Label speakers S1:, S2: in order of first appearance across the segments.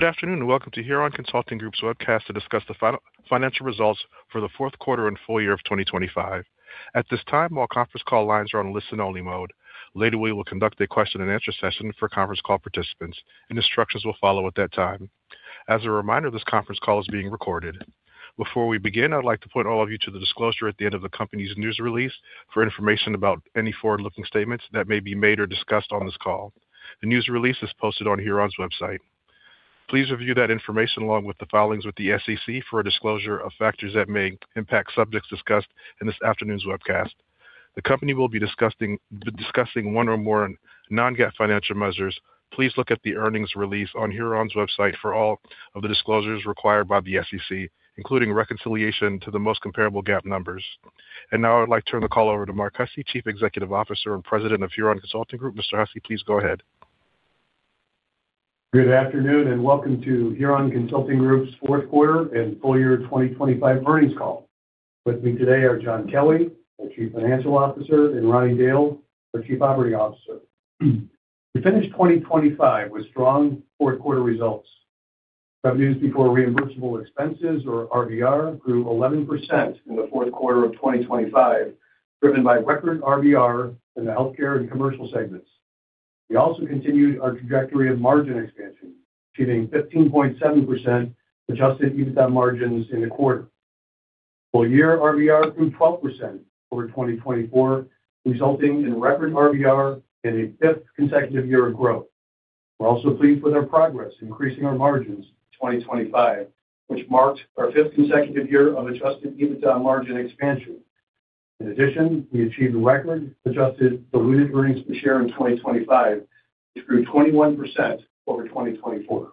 S1: Good afternoon, welcome to Huron Consulting Group's webcast to discuss the financial results for the fourth quarter and full year of 2025. At this time, all conference call lines are on listen-only mode. Later, we will conduct a question-and-answer session for conference call participants, and instructions will follow at that time. As a reminder, this conference call is being recorded. Before we begin, I'd like to point all of you to the disclosure at the end of the company's news release for information about any forward-looking statements that may be made or discussed on this call. The news release is posted on Huron's website. Please review that information along with the filings with the SEC for a disclosure of factors that may impact subjects discussed in this afternoon's webcast. The company will be discussing one or more non-GAAP financial measures. Please look at the earnings release on Huron's website for all of the disclosures required by the SEC, including reconciliation to the most comparable GAAP numbers. Now I would like to turn the call over to Mark Hussey, Chief Executive Officer and President of Huron Consulting Group. Mr. Hussey, please go ahead.
S2: Good afternoon, welcome to Huron Consulting Group's Fourth Quarter and Full Year 2025 Earnings Call. With me today are John Kelly, our Chief Financial Officer, and Ronnie Dail, our Chief Operating Officer. We finished 2025 with strong fourth quarter results. Revenues before reimbursable expenses, or RBR, grew 11% in the fourth quarter of 2025, driven by record RBR in the healthcare and commercial segments. We also continued our trajectory of margin expansion, achieving 15.7% adjusted EBITDA margins in the quarter. Full year RBR grew 12% over 2024, resulting in record RBR and a fifth consecutive year of growth. We're also pleased with our progress increasing our margins in 2025, which marked our fifth consecutive year of adjusted EBITDA margin expansion. We achieved record adjusted diluted earnings per share in 2025, which grew 21% over 2024.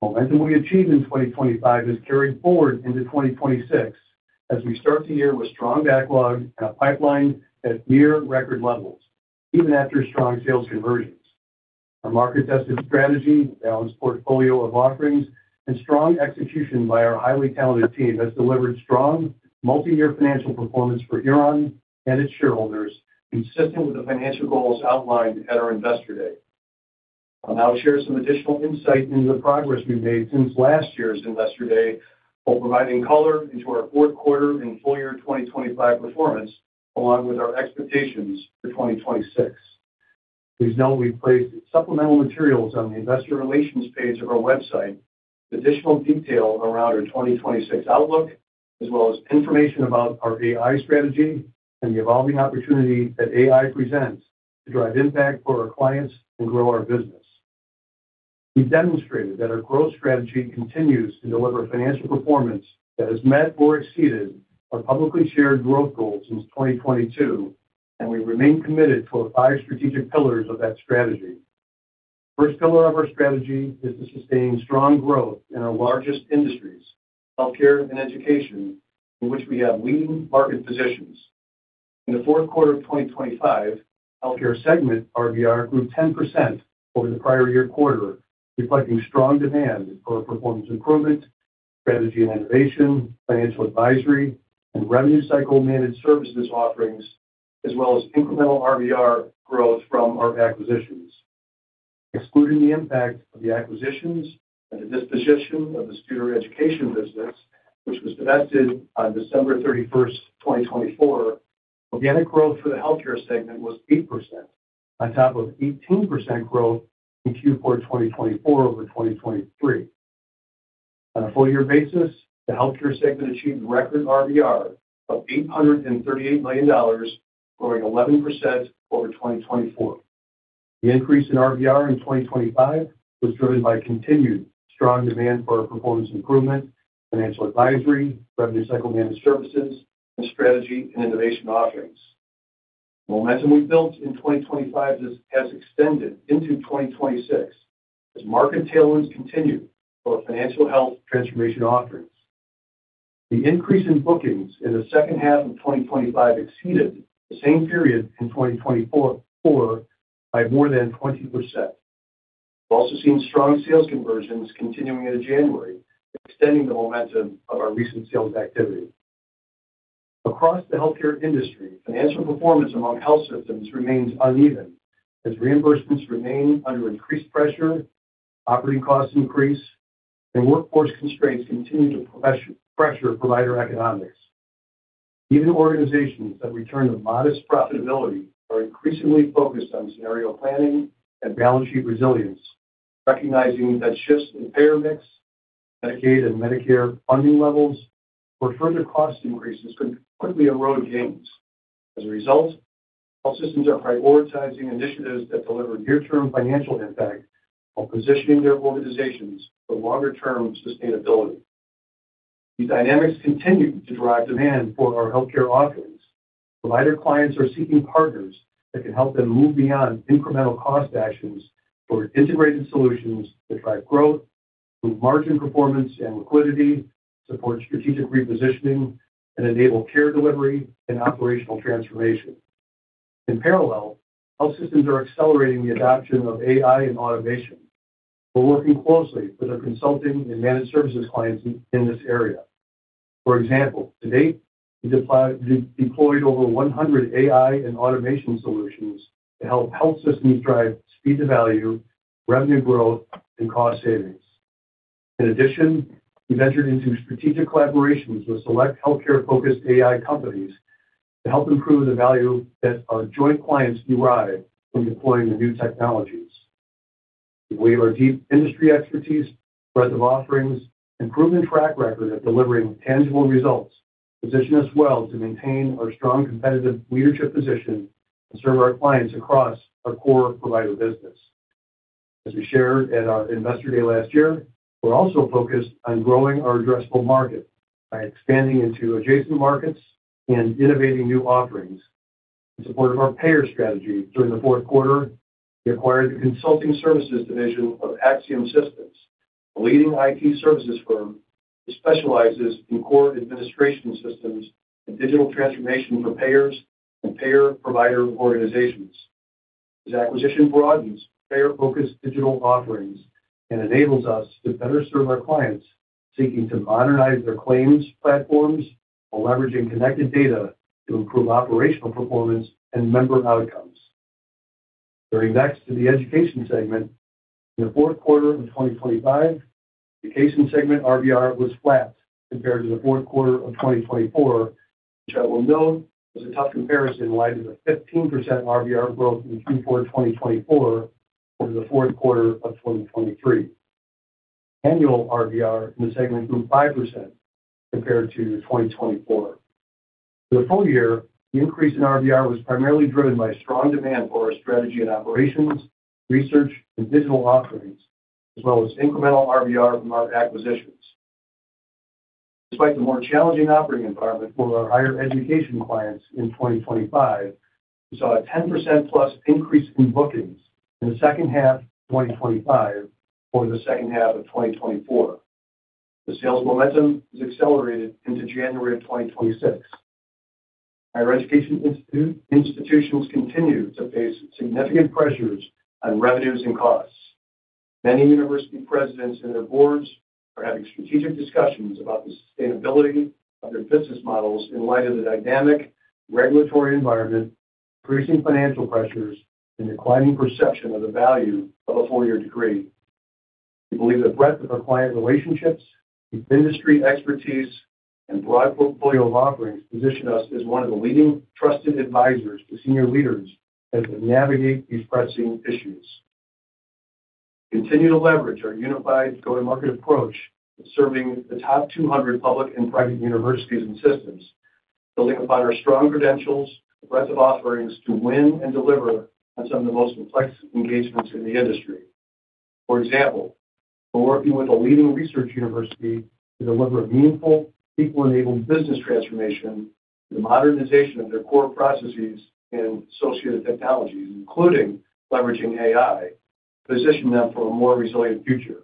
S2: The momentum we achieved in 2025 has carried forward into 2026 as we start the year with strong backlog and a pipeline at near record levels, even after strong sales conversions. Our market-tested strategy, balanced portfolio of offerings, and strong execution by our highly talented team has delivered strong multi-year financial performance for Huron and its shareholders, consistent with the financial goals outlined at our Investor Day. I'll now share some additional insight into the progress we've made since last year's Investor Day, while providing color into our fourth quarter and full year 2025 performance, along with our expectations for 2026. Please know we've placed supplemental materials on the Investor Relations page of our website with additional detail around our 2026 outlook, as well as information about our AI strategy and the evolving opportunity that AI presents to drive impact for our clients and grow our business. We've demonstrated that our growth strategy continues to deliver financial performance that has met or exceeded our publicly shared growth goals since 2022, and we remain committed to the five strategic pillars of that strategy. The first pillar of our strategy is to sustain strong growth in our largest industries, healthcare and education, in which we have leading market positions. In the fourth quarter of 2025, healthcare segment RBR grew 10% over the prior year quarter, reflecting strong demand for our performance improvement, strategy and innovation, financial advisory, and revenue cycle managed services offerings, as well as incremental RBR growth from our acquisitions. Excluding the impact of the acquisitions and the disposition of the Spear Education business, which was divested on December 31st, 2024, organic growth for the healthcare segment was 8%, on top of 18% growth in Q4 2024 over 2023. On a full year basis, the healthcare segment achieved record RBR of $838 million, growing 11% over 2024. The increase in RBR in 2025 was driven by continued strong demand for our performance improvement, financial advisory, revenue cycle managed services, and strategy and innovation offerings. The momentum we built in 2025 has extended into 2026 as market tailwinds continue for financial health transformation offerings. The increase in bookings in the second half of 2025 exceeded the same period in 2024 by more than 20%. We've also seen strong sales conversions continuing into January, extending the momentum of our recent sales activity. Across the healthcare industry, financial performance among health systems remains uneven, as reimbursements remain under increased pressure, operating costs increase, and workforce constraints continue to pressure provider economics. Even organizations that return to modest profitability are increasingly focused on scenario planning and balance sheet resilience, recognizing that shifts in payer mix, Medicaid and Medicare funding levels, or further cost increases could quickly erode gains. As a result, health systems are prioritizing initiatives that deliver near-term financial impact while positioning their organizations for longer-term sustainability. These dynamics continue to drive demand for our healthcare offerings. Provider clients are seeking partners that can help them move beyond incremental cost actions toward integrated solutions that drive growth, improve margin performance and liquidity, support strategic repositioning, and enable care delivery and operational transformation. In parallel, health systems are accelerating the adoption of AI and automation. We're working closely with our consulting and managed services clients in this area. For example, to date, we've deployed over 100 AI and automation solutions to help health systems drive speed to value, revenue growth, and cost savings. We ventured into strategic collaborations with select healthcare-focused AI companies to help improve the value that our joint clients derive from deploying the new technologies. We have our deep industry expertise, breadth of offerings, and proven track record of delivering tangible results, position us well to maintain our strong competitive leadership position and serve our clients across our core provider business. As we shared at our Investor Day last year, we're also focused on growing our addressable market by expanding into adjacent markets and innovating new offerings. In support of our payer strategy, during the fourth quarter, we acquired the consulting services division of AXIOM Systems, a leading IT services firm that specializes in core administration systems and digital transformation for payers and payer-provider organizations. This acquisition broadens payer-focused digital offerings and enables us to better serve our clients seeking to modernize their claims platforms while leveraging connected data to improve operational performance and member outcomes. Turning next to the education segment. In the fourth quarter of 2025, the education segment RBR was flat compared to the fourth quarter of 2024, which I well know was a tough comparison in light of the 15% RBR growth in Q4 2024 over the fourth quarter of 2023. Annual RBR in the segment grew 5% compared to 2024. For the full year, the increase in RBR was primarily driven by strong demand for our strategy and operations, research and digital offerings, as well as incremental RBR from our acquisitions. Despite the more challenging operating environment for our higher education clients in 2025, we saw a 10%+ increase in bookings in the second half of 2025 over the second half of 2024. The sales momentum has accelerated into January of 2026. Higher education institutions continue to face significant pressures on revenues and costs. Many university presidents and their boards are having strategic discussions about the sustainability of their business models in light of the dynamic regulatory environment, increasing financial pressures, and declining perception of the value of a four-year degree. We believe the breadth of our client relationships, deep industry expertise, and broad portfolio of offerings position us as one of the leading trusted advisors to senior leaders as they navigate these pressing issues. We continue to leverage our unified go-to-market approach in serving the top 200 public and private universities and systems, building upon our strong credentials and breadth of offerings to win and deliver on some of the most complex engagements in the industry. For example, we're working with a leading research university to deliver a meaningful, people-enabled business transformation and the modernization of their core processes and associated technologies, including leveraging AI, positioning them for a more resilient future.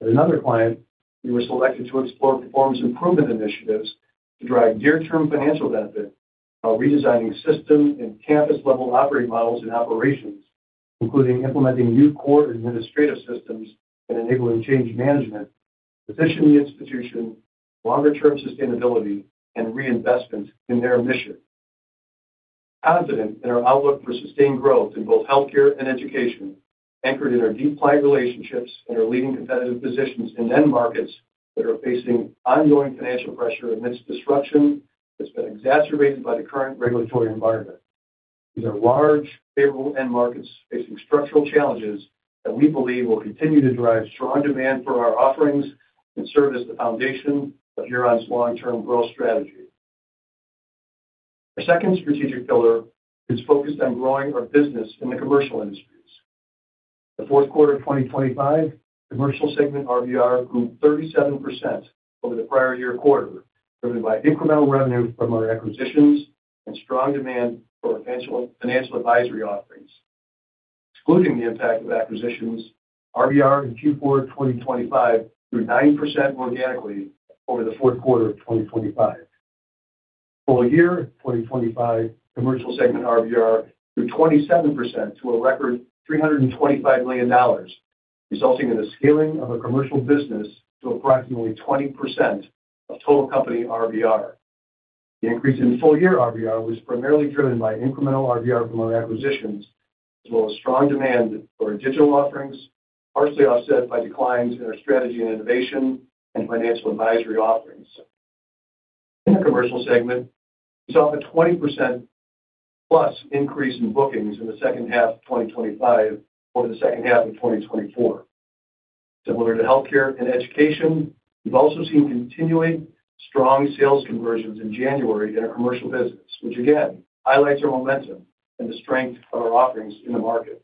S2: At another client, we were selected to explore performance improvement initiatives to drive near-term financial benefit while redesigning system and campus-level operating models and operations, including implementing new core administrative systems and enabling change management, positioning the institution for longer-term sustainability and reinvestment in their mission. Confident in our outlook for sustained growth in both healthcare and education, anchored in our deep client relationships and our leading competitive positions in end markets that are facing ongoing financial pressure amidst disruption that's been exacerbated by the current regulatory environment. These are large, favorable end markets facing structural challenges that we believe will continue to drive strong demand for our offerings and serve as the foundation of Huron's long-term growth strategy. Our second strategic pillar is focused on growing our business in the commercial industries. The fourth quarter of 2025, commercial segment RBR grew 37% over the prior year quarter, driven by incremental revenue from our acquisitions and strong demand for financial advisory offerings. Excluding the impact of acquisitions, RBR in Q4 2025 grew 9% organically over the fourth quarter of 2025. Full year 2025, commercial segment RBR grew 27% to a record $325 million, resulting in the scaling of our commercial business to approximately 20% of total company RBR. The increase in full-year RBR was primarily driven by incremental RBR from our acquisitions, as well as strong demand for our digital offerings, partially offset by declines in our strategy and innovation and financial advisory offerings. In the commercial segment, we saw a 20%+ increase in bookings in the second half of 2025 over the second half of 2024. Similar to healthcare and education, we've also seen continually strong sales conversions in January in our commercial business, which again highlights our momentum and the strength of our offerings in the market.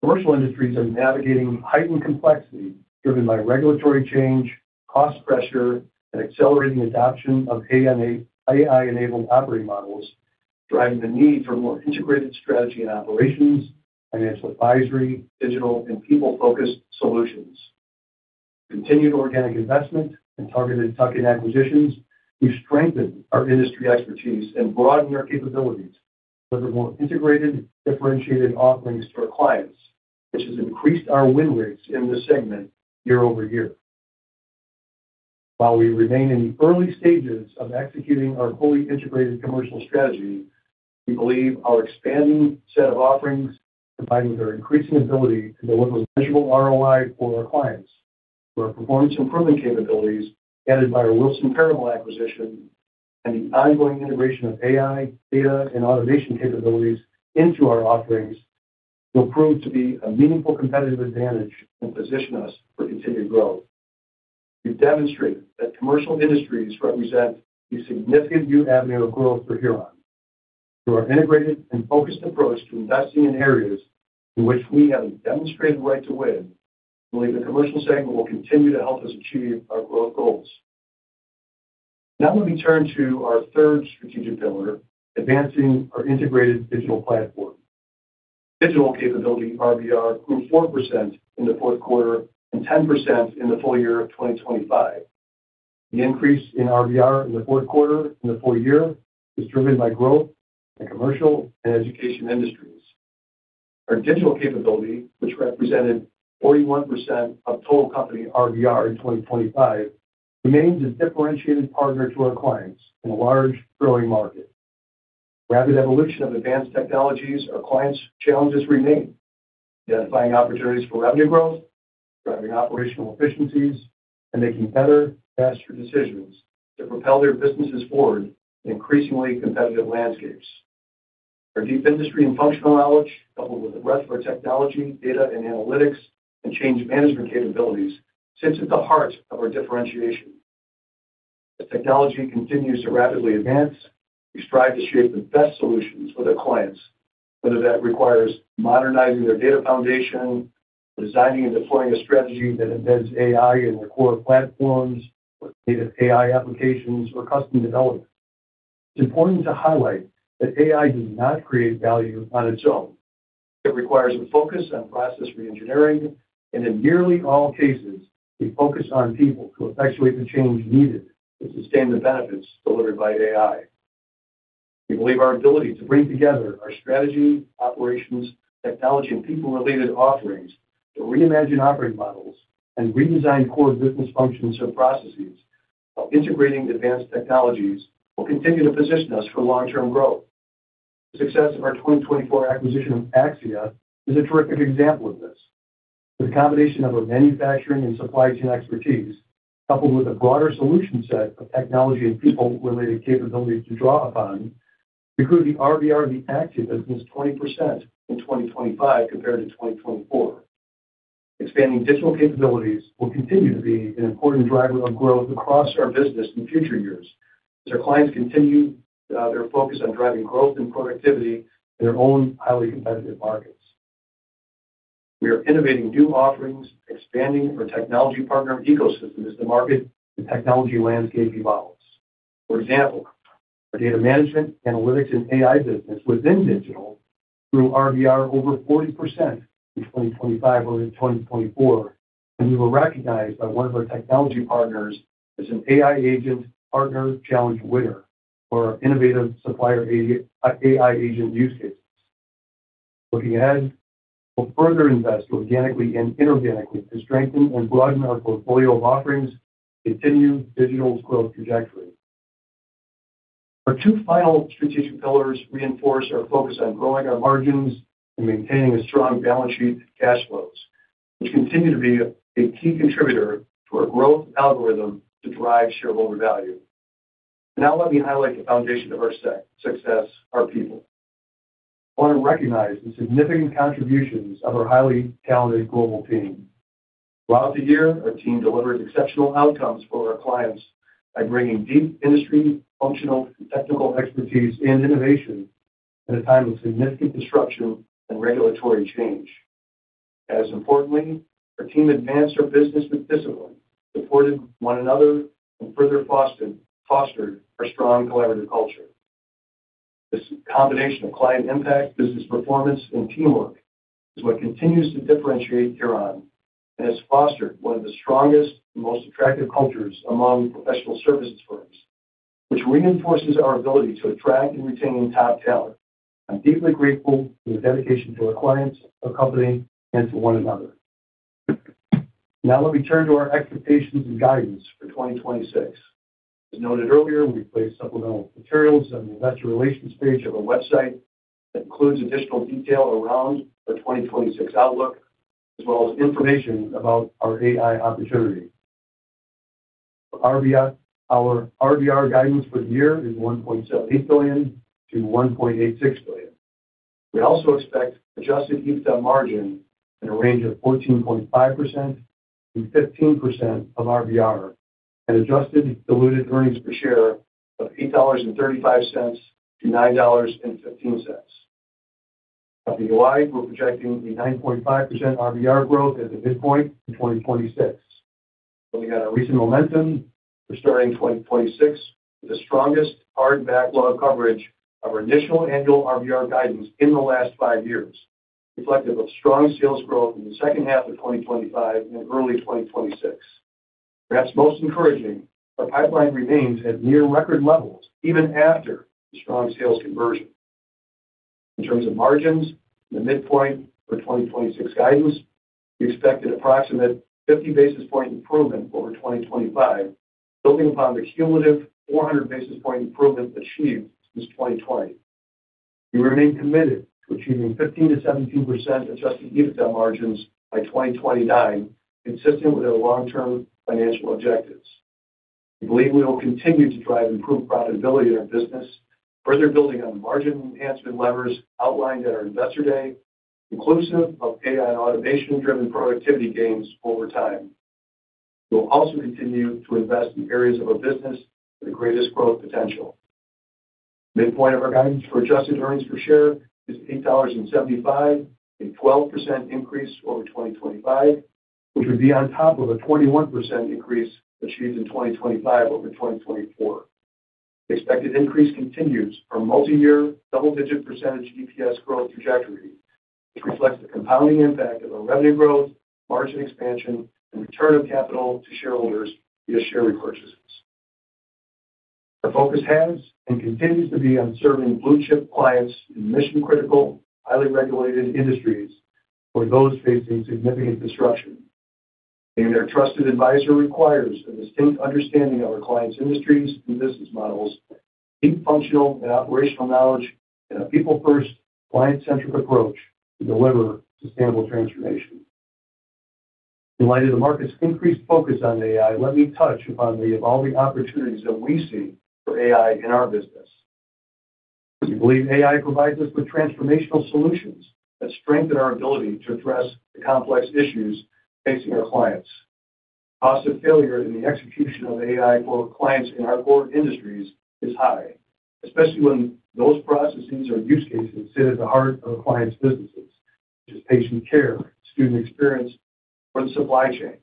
S2: Commercial industries are navigating heightened complexity driven by regulatory change, cost pressure, and accelerating adoption of AI-enabled operating models, driving the need for more integrated strategy and operations, financial advisory, digital, and people-focused solutions. Continued organic investment and targeted tuck-in acquisitions, we've strengthened our industry expertise and broadened our capabilities. Deliver more integrated, differentiated offerings to our clients, which has increased our win rates in this segment year-over-year. While we remain in the early stages of executing our fully integrated commercial strategy, we believe our expanding set of offerings, combined with our increasing ability to deliver measurable ROI for our clients, our performance improvement capabilities, added by our Wilson Perumal acquisition, and the ongoing integration of AI, data, and automation capabilities into our offerings, will prove to be a meaningful competitive advantage and position us for continued growth. We've demonstrated that commercial industries represent a significant new avenue of growth for Huron. Through our integrated and focused approach to investing in areas in which we have a demonstrated right to win, we believe the commercial segment will continue to help us achieve our growth goals. Let me turn to our third strategic pillar, advancing our integrated digital platform. Digital capability RBR grew 4% in the fourth quarter and 10% in the full year of 2025. The increase in RBR in the fourth quarter and the full year was driven by growth in commercial and education industries. Our digital capability, which represented 41% of total company RBR in 2025, remains a differentiated partner to our clients in a large growing market. Rapid evolution of advanced technologies, our clients' challenges remain: identifying opportunities for revenue growth, driving operational efficiencies, and making better, faster decisions to propel their businesses forward in increasingly competitive landscapes. Our deep industry and functional knowledge, coupled with the rest of our technology, data, and analytics, and change management capabilities, sits at the heart of our differentiation. As technology continues to rapidly advance, we strive to shape the best solutions for their clients, whether that requires modernizing their data foundation, designing and deploying a strategy that embeds AI in their core platforms or native AI applications or custom development. It's important to highlight that AI does not create value on its own. It requires a focus on process reengineering, and in nearly all cases, a focus on people to effectuate the change needed to sustain the benefits delivered by AI. We believe our ability to bring together our strategy, operations, technology, and people-related offerings to reimagine operating models and redesign core business functions and processes while integrating advanced technologies, will continue to position us for long-term growth. The success of our 2024 acquisition of AXIA is a terrific example of this. The combination of our manufacturing and supply chain expertise, coupled with a broader solution set of technology and people-related capabilities to draw upon, we grew the RBR of the active business 20% in 2025 compared to 2024. Expanding digital capabilities will continue to be an important driver of growth across our business in future years, as our clients continue their focus on driving growth and productivity in their own highly competitive markets. We are innovating new offerings, expanding our technology partner ecosystem as the market and technology landscape evolves. For example, our data management, analytics, and AI business within digital grew RBR over 40% in 2025 over 2024, and we were recognized by one of our technology partners as an AI agent partner challenge winner for our innovative supplier AI agent use cases. Looking ahead, we'll further invest organically and inorganically to strengthen and broaden our portfolio of offerings to continue digital's growth trajectory. Our two final strategic pillars reinforce our focus on growing our margins and maintaining a strong balance sheet and cash flows, which continue to be a key contributor to our growth algorithm to drive shareholder value. Let me highlight the foundation of our success, our people. I want to recognize the significant contributions of our highly talented global team. Throughout the year, our team delivered exceptional outcomes for our clients by bringing deep industry, functional, and technical expertise and innovation at a time of significant disruption and regulatory change. As importantly, our team advanced our business with discipline, supported one another, and further fostered our strong collaborative culture. This combination of client impact, business performance, and teamwork is what continues to differentiate Huron and has fostered one of the strongest and most attractive cultures among professional services firms, which reinforces our ability to attract and retain top talent. I'm deeply grateful for the dedication to our clients, our company, and to one another. Let me turn to our expectations and guidance for 2026. As noted earlier, we placed supplemental materials on the investor relations page of our website that includes additional detail around the 2026 outlook, as well as information about our AI opportunity. Our RBR guidance for the year is $1.78 billion-$1.86 billion. We also expect adjusted EBITDA margin in a range of 14.5%-15% of RBR, and adjusted diluted earnings per share of $8.35-$9.15. Looking wide, we're projecting a 9.5% RBR growth at the midpoint in 2026. Looking at our recent momentum, we're starting 2026 with the strongest hard backlog coverage of our initial annual RBR guidance in the last five years, reflective of strong sales growth in the second half of 2025 and early 2026. Perhaps most encouraging, our pipeline remains at near record levels even after the strong sales conversion. In terms of margins, the midpoint for 2026 guidance, we expect an approximate 50 basis point improvement over 2025, building upon the cumulative 400 basis point improvement achieved since 2020. We remain committed to achieving 15%-17% adjusted EBITDA margins by 2029, consistent with our long-term financial objectives. We believe we will continue to drive improved profitability in our business, further building on the margin enhancement levers outlined at our Investor Day, inclusive of AI and automation-driven productivity gains over time. We will also continue to invest in areas of our business with the greatest growth potential. Midpoint of our guidance for adjusted earnings per share is $8.75, a 12% increase over 2025, which would be on top of a 21% increase achieved in 2025 over 2024. The expected increase continues our multi-year, double-digit percentage EPS growth trajectory, which reflects the compounding impact of our revenue growth, margin expansion, and return of capital to shareholders via share repurchases. Our focus has and continues to be on serving blue-chip clients in mission-critical, highly regulated industries for those facing significant disruption. Being their trusted advisor requires a distinct understanding of our clients' industries and business models, deep functional and operational knowledge, and a people-first, client-centric approach to deliver sustainable transformation. In light of the market's increased focus on AI, let me touch upon the evolving opportunities that we see for AI in our business. We believe AI provides us with transformational solutions that strengthen our ability to address the complex issues facing our clients. Cost of failure in the execution of AI for our clients in our core industries is high, especially when those processes or use cases sit at the heart of our clients' businesses, such as patient care, student experience, or the supply chain.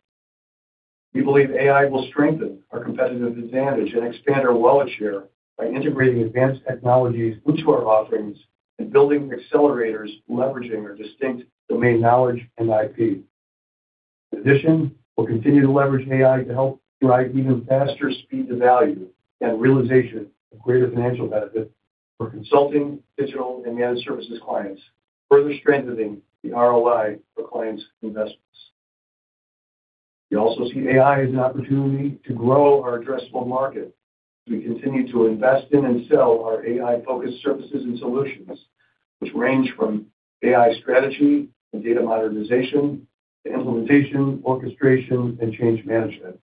S2: We believe AI will strengthen our competitive advantage and expand our wallet share by integrating advanced technologies into our offerings and building accelerators, leveraging our distinct domain knowledge and IP. We'll continue to leverage AI to help drive even faster speed to value and realization of greater financial benefit for consulting, digital, and managed services clients, further strengthening the ROI for clients' investments. We also see AI as an opportunity to grow our addressable market. We continue to invest in and sell our AI-focused services and solutions, which range from AI strategy and data modernization to implementation, orchestration, and change management.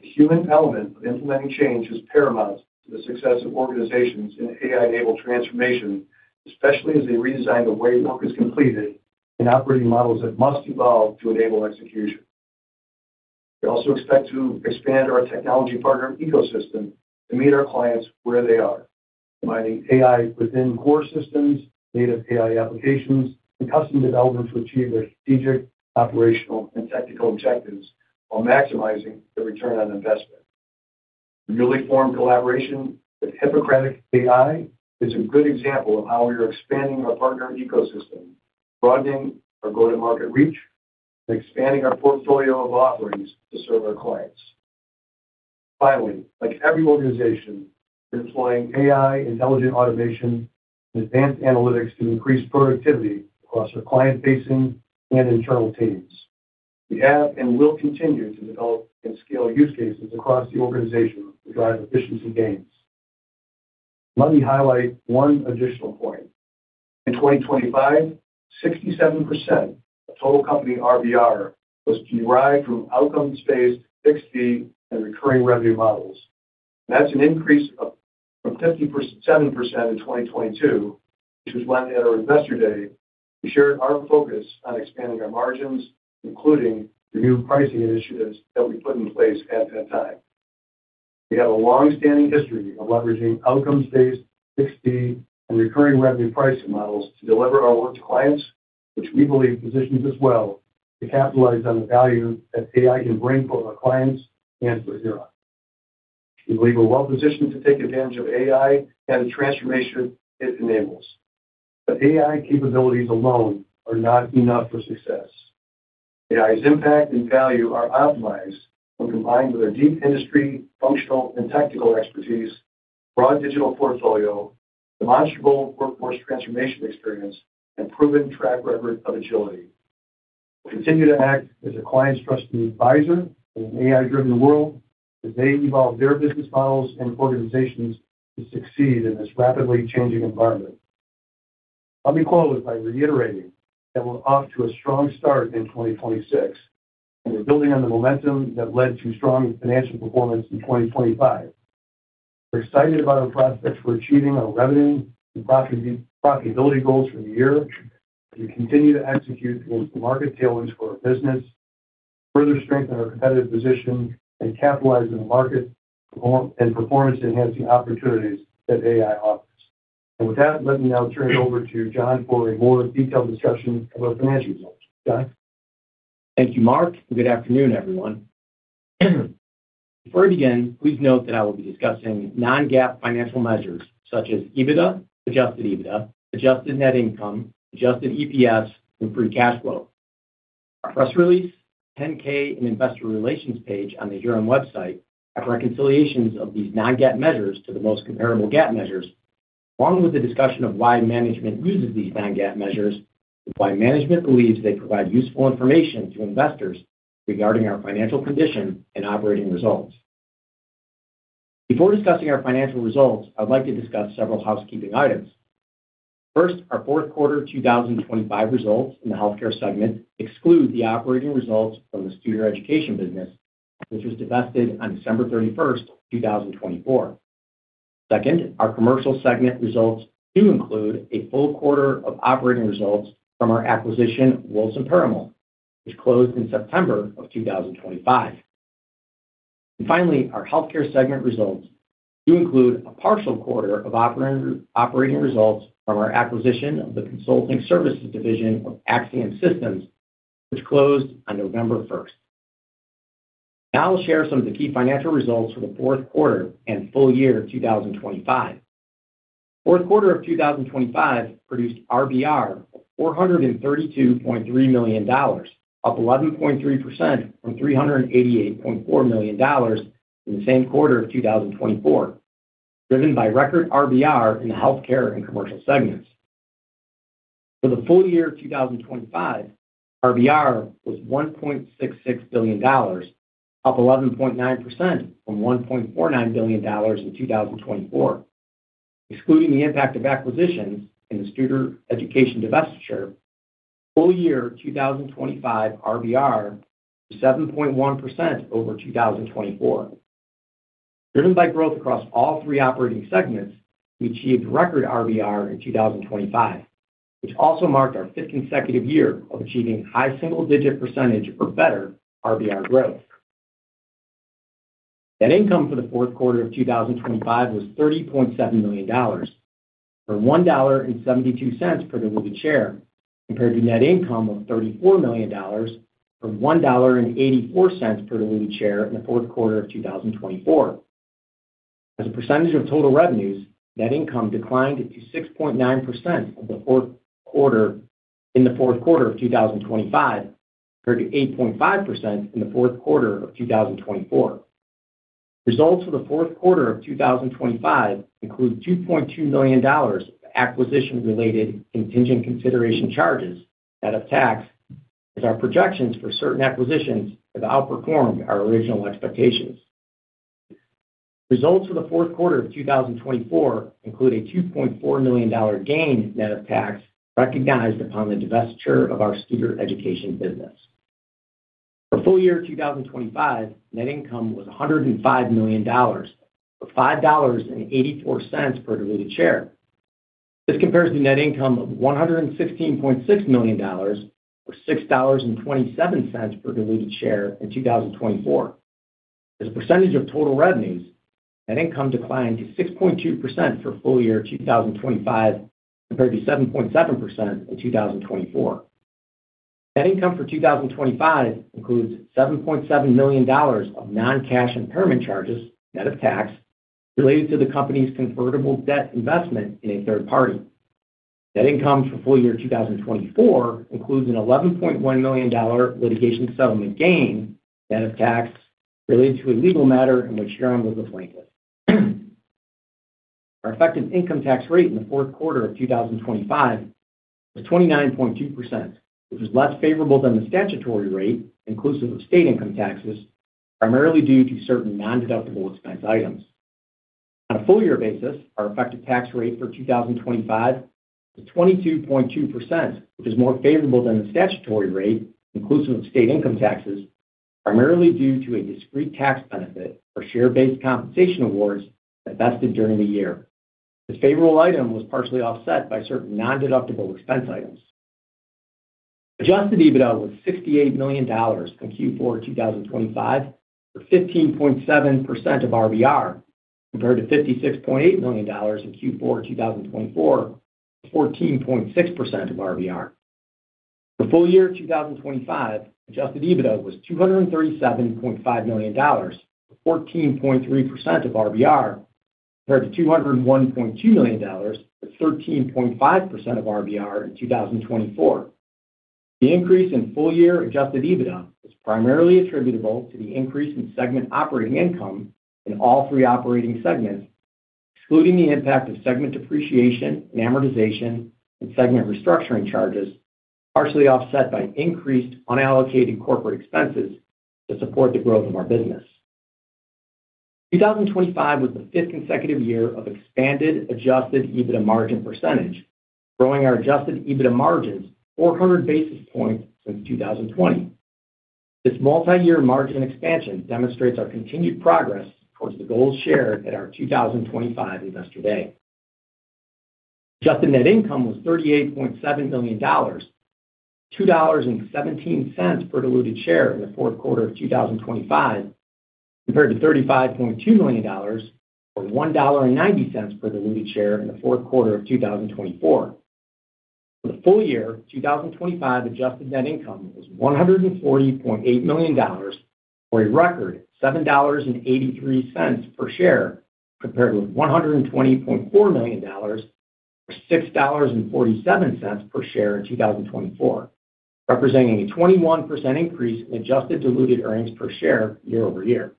S2: The human element of implementing change is paramount to the success of organizations in AI-enabled transformation, especially as they redesign the way work is completed and operating models that must evolve to enable execution. We also expect to expand our technology partner ecosystem to meet our clients where they are, combining AI within core systems, native AI applications, and custom development to achieve their strategic, operational, and technical objectives while maximizing the return on investment. The newly formed collaboration with Hippocratic AI is a good example of how we are expanding our partner ecosystem, broadening our go-to-market reach, and expanding our portfolio of offerings to serve our clients. Like every organization, we're deploying AI, intelligent automation, and advanced analytics to increase productivity across our client-facing and internal teams. We have and will continue to develop and scale use cases across the organization to drive efficiency gains. Let me highlight one additional point. In 2025, 67% of total company RBR was derived from outcomes-based, fixed-fee, and recurring revenue models. That's an increase of from 50%-70% in 2022, which was when at our Investor Day, we shared our focus on expanding our margins, including the new pricing initiatives that we put in place at that time. We have a long-standing history of leveraging outcomes-based, fixed-fee, and recurring revenue pricing models to deliver our work to clients, which we believe positions us well to capitalize on the value that AI can bring for our clients and for Huron. AI capabilities alone are not enough for success. AI's impact and value are optimized when combined with our deep industry, functional, and technical expertise, broad digital portfolio, demonstrable workforce transformation experience, and proven track record of agility. We continue to act as a client's trusted advisor in an AI-driven world as they evolve their business models and organizations to succeed in this rapidly changing environment. Let me close by reiterating that we're off to a strong start in 2026, and we're building on the momentum that led to strong financial performance in 2025. We're excited about our prospects for achieving our revenue and profitability goals for the year. We continue to execute towards the market tailwinds for our business, further strengthen our competitive position, and capitalize on the market and performance-enhancing opportunities that AI offers. With that, let me now turn it over to John for a more detailed discussion of our financial results. John?
S3: Thank you, Mark, good afternoon, everyone. Before I begin, please note that I will be discussing non-GAAP financial measures such as EBITDA, adjusted EBITDA, adjusted net income, adjusted EPS, and free cash flow. Our press release, 10-K and Investor Relations page on the Huron website, have reconciliations of these non-GAAP measures to the most comparable GAAP measures, along with the discussion of why management uses these non-GAAP measures, and why management believes they provide useful information to investors regarding our financial condition and operating results. Before discussing our financial results, I'd like to discuss several housekeeping items. First, our fourth quarter 2025 results in the healthcare segment exclude the operating results from the Studer Education business, which was divested on December 31st, 2024. Second, our commercial segment results do include a full quarter of operating results from our acquisition, Wilson Perumal, which closed in September of 2025. Finally, our healthcare segment results do include a partial quarter of operating results from our acquisition of the consulting services division of AXIOM Systems, which closed on November first. I'll share some of the key financial results for the fourth quarter and full year 2025. Fourth quarter of 2025 produced RBR of $432.3 million, up 11.3% from $388.4 million in the same quarter of 2024, driven by record RBR in the healthcare and commercial segments. For the full year of 2025, RBR was $1.66 billion, up 11.9% from $1.49 billion in 2024. Excluding the impact of acquisitions in the Studer Education divestiture, full year 2025 RBR was 7.1% over 2024. Driven by growth across all three operating segments, we achieved record RBR in 2025, which also marked our fifth consecutive year of achieving high single-digit percentage or better RBR growth. Net income for the fourth quarter of 2025 was $30.7 million, or $1.72 per diluted share, compared to net income of $34 million, or $1.84 per diluted share in the fourth quarter of 2024. As a percentage of total revenues, net income declined to 6.9% in the fourth quarter of 2025, compared to 8.5% in the fourth quarter of 2024. Results for the fourth quarter of 2025 include $2.2 million of acquisition-related contingent consideration charges, net of tax, as our projections for certain acquisitions have outperformed our original expectations. Results for the fourth quarter of 2024 include a $2.4 million gain, net of tax, recognized upon the divestiture of our Studer Education business. For full year 2025, net income was $105 million, or $5.84 per diluted share. This compares to net income of $116.6 million, or $6.27 per diluted share in 2024. As a percentage of total revenues, net income declined to 6.2% for full year 2025, compared to 7.7% in 2024. Net income for 2025 includes $7.7 million of non-cash impairment charges, net of tax, related to the company's convertible debt investment in a third party. Net income for full year 2024 includes an $11.1 million litigation settlement gain, net of tax, related to a legal matter in which Huron was a plaintiff. Our effective income tax rate in the fourth quarter of 2025 was 29.2%, which is less favorable than the statutory rate, inclusive of state income taxes, primarily due to certain non-deductible expense items. On a full year basis, our effective tax rate for 2025 was 22.2%, which is more favorable than the statutory rate, inclusive of state income taxes, primarily due to a discrete tax benefit for share-based compensation awards divested during the year. This favorable item was partially offset by certain non-deductible expense items. Adjusted EBITDA was $68 million in Q4 2025, or 15.7% of RBR, compared to $56.8 million in Q4 2024, or 14.6% of RBR. For full year 2025, adjusted EBITDA was $237.5 million, or 14.3% of RBR, compared to $201.2 million, or 13.5% of RBR in 2024. The increase in full year adjusted EBITDA was primarily attributable to the increase in segment operating income in all three operating segments, excluding the impact of segment depreciation and amortization and segment restructuring charges, partially offset by increased unallocated corporate expenses to support the growth of our business. 2025 was the fifth consecutive year of expanded adjusted EBITDA margin percentage, growing our adjusted EBITDA margins 400 basis points since 2020. This multiyear margin expansion demonstrates our continued progress towards the goals shared at our 2025 Investor Day. Adjusted net income was $38.7 million, $2.17 per diluted share in the fourth quarter of 2025, compared to $35.2 million, or $1.90 per diluted share in the fourth quarter of 2024. For the full year, 2025 adjusted net income was $140.8 million, or a record $7.83 per share, compared with $120.4 million, or $6.47 per share in 2024, representing a 21% increase in adjusted diluted earnings per share year-over-year.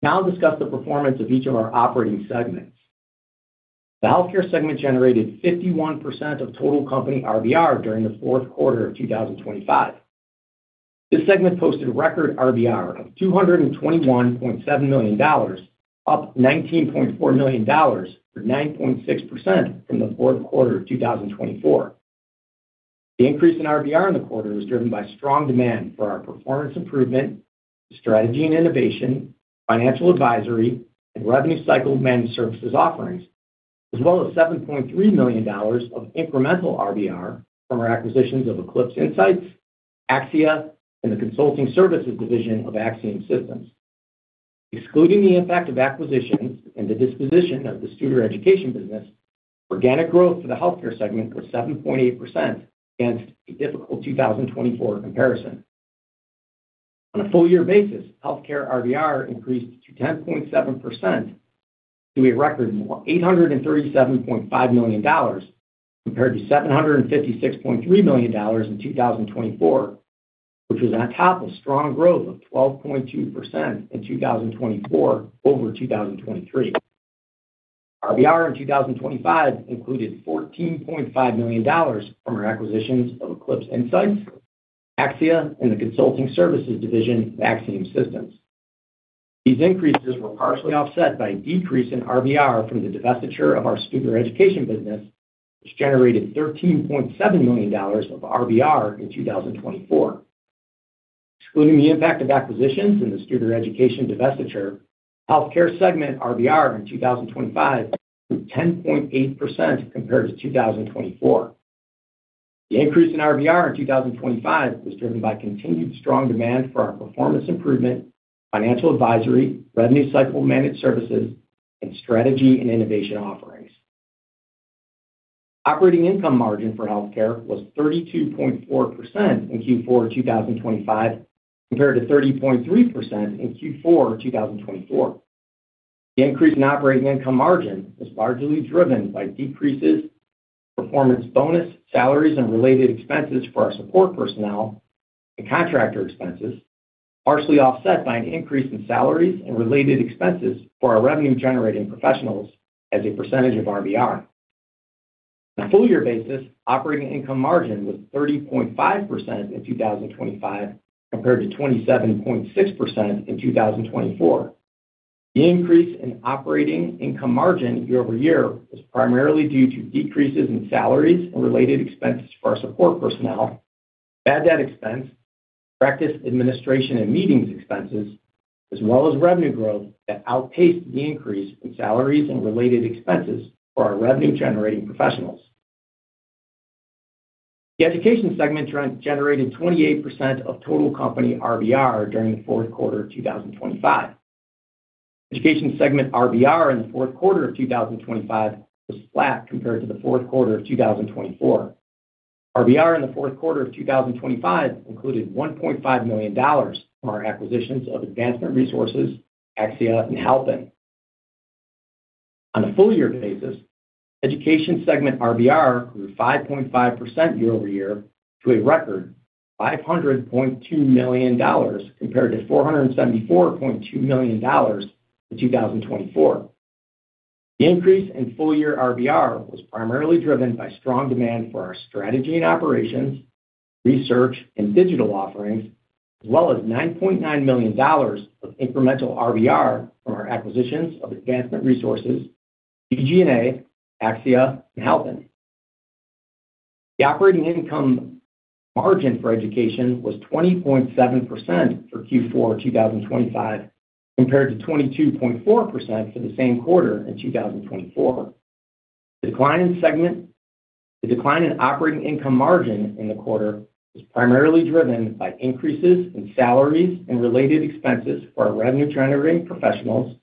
S3: Now I'll discuss the performance of each of our operating segments. The healthcare segment generated 51% of total company RBR during the fourth quarter of 2025. This segment posted a record RBR of $221.7 million, up $19.4 million, or 9.6% from the fourth quarter of 2024. The increase in RBR in the quarter was driven by strong demand for our performance improvement, strategy and innovation, financial advisory, and revenue cycle managed services offerings, as well as $7.3 million of incremental RBR from our acquisitions of Eclipse Insights, AXIA, and the consulting services division of AXIOM Systems. Excluding the impact of acquisitions and the disposition of the Studer Education business, organic growth for the healthcare segment was 7.8% against a difficult 2024 comparison. On a full year basis, healthcare RBR increased to 10.7%, to a record $837.5 million, compared to $756.3 million in 2024, which was on top of strong growth of 12.2% in 2024 over 2023. RBR in 2025 included $14.5 million from our acquisitions of Eclipse Insights, AXIA, and the consulting services division of AXIOM Systems. These increases were partially offset by a decrease in RBR from the divestiture of our Studer Education business, which generated $13.7 million of RBR in 2024. Excluding the impact of acquisitions and the Studer Education divestiture, healthcare segment RBR in 2025 grew 10.8% compared to 2024. The increase in RBR in 2025 was driven by continued strong demand for our performance improvement, financial advisory, revenue cycle managed services, and strategy and innovation offerings. Operating income margin for healthcare was 32.4% in Q4 of 2025, compared to 30.3% in Q4 of 2024. The increase in operating income margin was largely driven by decreases in performance bonus, salaries, and related expenses for our support personnel and contractor expenses, partially offset by an increase in salaries and related expenses for our revenue-generating professionals as a percentage of RBR. On a full year basis, operating income margin was 30.5% in 2025, compared to 27.6% in 2024. The increase in operating income margin year-over-year was primarily due to decreases in salaries and related expenses for our support personnel, bad debt expense, practice administration and meetings expenses, as well as revenue growth that outpaced the increase in salaries and related expenses for our revenue-generating professionals. The education segment generated 28% of total company RBR during the fourth quarter of 2025. Education segment RBR in the fourth quarter of 2025 was flat compared to the fourth quarter of 2024. RBR in the fourth quarter of 2025 included $1.5 million from our acquisitions of Advancement Resources, AXIA, and Halpin. On a full year basis, education segment RBR grew 5.5% year-over-year to a record $500.2 million, compared to $474.2 million in 2024. The increase in full year RBR was primarily driven by strong demand for our strategy and operations, research, and digital offerings, as well as $9.9 million of incremental RBR from our acquisitions of Advancement Resources, GG+A, AXIA, and Halpin. The operating income margin for education was 20.7% for Q4 2025, compared to 22.4% for the same quarter in 2024. The decline in operating income margin in the quarter was primarily driven by increases in salaries and related expenses for our revenue-generating professionals,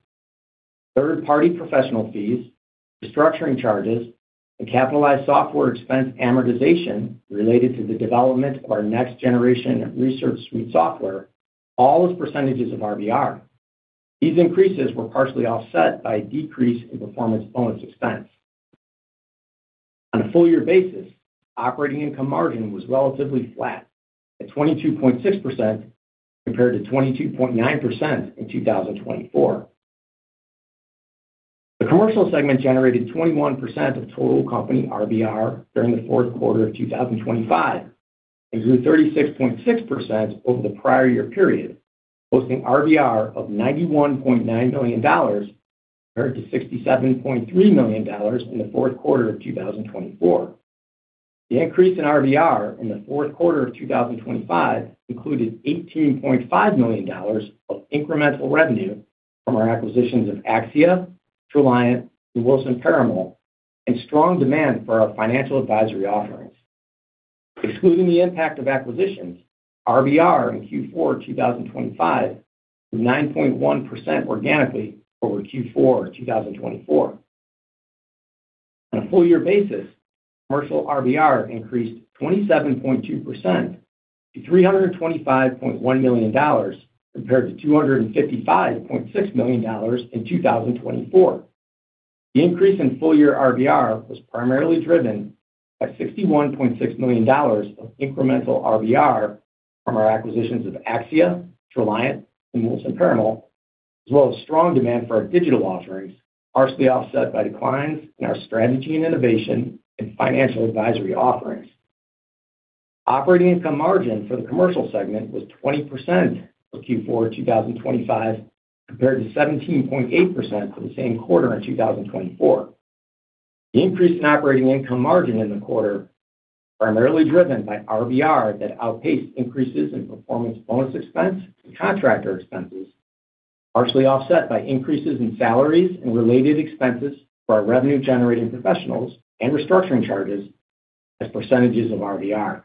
S3: third-party professional fees, restructuring charges, and capitalized software expense amortization related to the development of our next-generation research suite software, all as percentages of RBR. These increases were partially offset by a decrease in performance bonus expense. On a full year basis, operating income margin was relatively flat at 22.6% compared to 22.9% in 2024. The commercial segment generated 21% of total company RBR during the fourth quarter of 2025 and grew 36.6% over the prior year period, posting RBR of $91.9 million compared to $67.3 million in the fourth quarter of 2024. The increase in RBR in the fourth quarter of 2025 included $18.5 million of incremental revenue from our acquisitions of AXIA, Treliant, and Wilson Perumal, and strong demand for our financial advisory offerings. Excluding the impact of acquisitions, RBR in Q4 2025 was 9.1% organically over Q4 2024. On a full year basis, commercial RBR increased 27.2% to $325.1 million, compared to $255.6 million in 2024. The increase in full year RBR was primarily driven by $61.6 million of incremental RBR from our acquisitions of AXIA, Treliant, and Wilson Perumal, as well as strong demand for our digital offerings, partially offset by declines in our strategy and innovation and financial advisory offerings. Operating income margin for the commercial segment was 20% for Q4 2025, compared to 17.8% for the same quarter in 2024. The increase in operating income margin in the quarter, primarily driven by RBR that outpaced increases in performance bonus expense and contractor expenses, partially offset by increases in salaries and related expenses for our revenue-generating professionals and restructuring charges as percentages of RBR.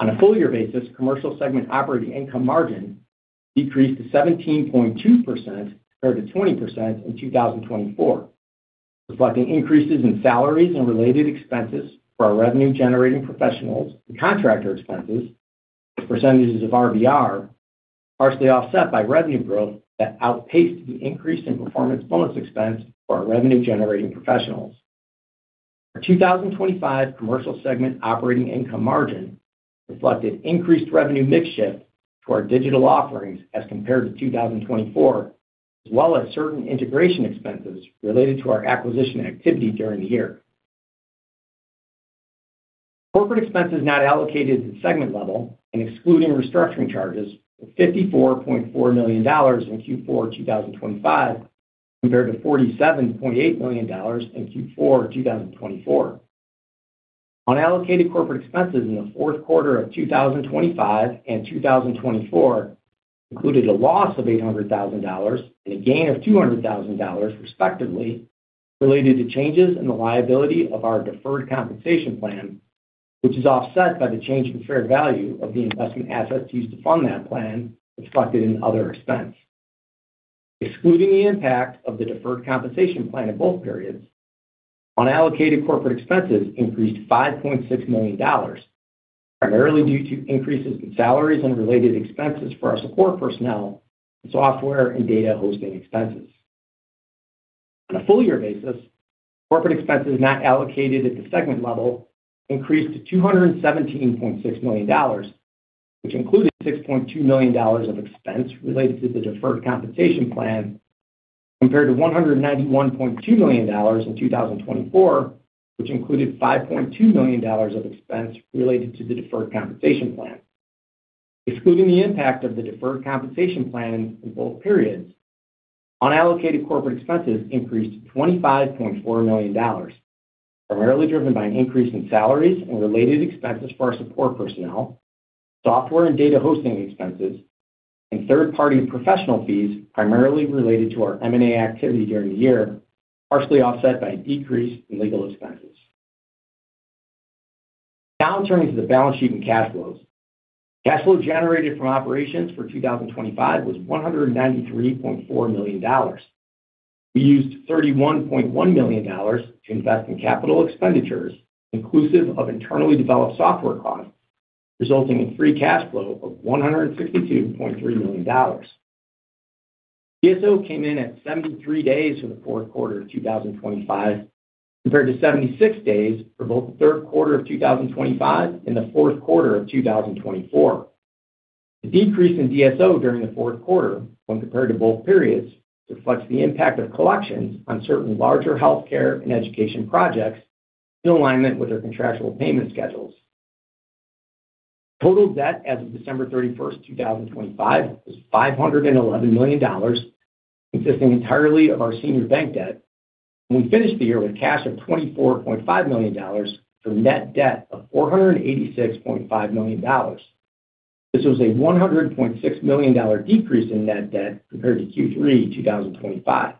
S3: On a full year basis, commercial segment operating income margin decreased to 17.2% compared to 20% in 2024, reflecting increases in salaries and related expenses for our revenue-generating professionals and contractor expenses as percentages of RBR, partially offset by revenue growth that outpaced the increase in performance bonus expense for our revenue-generating professionals. Our 2025 commercial segment operating income margin reflected increased revenue mix shift to our digital offerings as compared to 2024, as well as certain integration expenses related to our acquisition activity during the year. Corporate expenses not allocated at the segment level and excluding restructuring charges, were $54.4 million in Q4 2025, compared to $47.8 million in Q4 2024. Unallocated corporate expenses in the fourth quarter of 2025 and 2024 included a loss of $800,000 and a gain of $200,000, respectively, related to changes in the liability of our deferred compensation plan, which is offset by the change in fair value of the investment assets used to fund that plan, reflected in other expense. Excluding the impact of the deferred compensation plan in both periods, unallocated corporate expenses increased $5.6 million, primarily due to increases in salaries and related expenses for our support personnel, software and data hosting expenses. On a full year basis, corporate expenses not allocated at the segment level increased to $217.6 million, which included $6.2 million of expense related to the deferred compensation plan, compared to $191.2 million in 2024, which included $5.2 million of expense related to the deferred compensation plan. Excluding the impact of the deferred compensation plan in both periods, unallocated corporate expenses increased to $25.4 million, primarily driven by an increase in salaries and related expenses for our support personnel, software and data hosting expenses, and third-party professional fees, primarily related to our M&A activity during the year, partially offset by a decrease in legal expenses. Now turning to the balance sheet and cash flows. Cash flow generated from operations for 2025 was $193.4 million. We used $31.1 million to invest in capital expenditures, inclusive of internally developed software costs, resulting in free cash flow of $162.3 million. DSO came in at 73 days for the fourth quarter of 2025, compared to 76 days for both the third quarter of 2025 and the fourth quarter of 2024. The decrease in DSO during the fourth quarter, when compared to both periods, reflects the impact of collections on certain larger healthcare and education projects in alignment with their contractual payment schedules. Total debt as of December 31st, 2025, was $511 million, consisting entirely of our senior bank debt, and we finished the year with cash of $24.5 million for net debt of $486.5 million. This was a $100.6 million decrease in net debt compared to Q3 2025.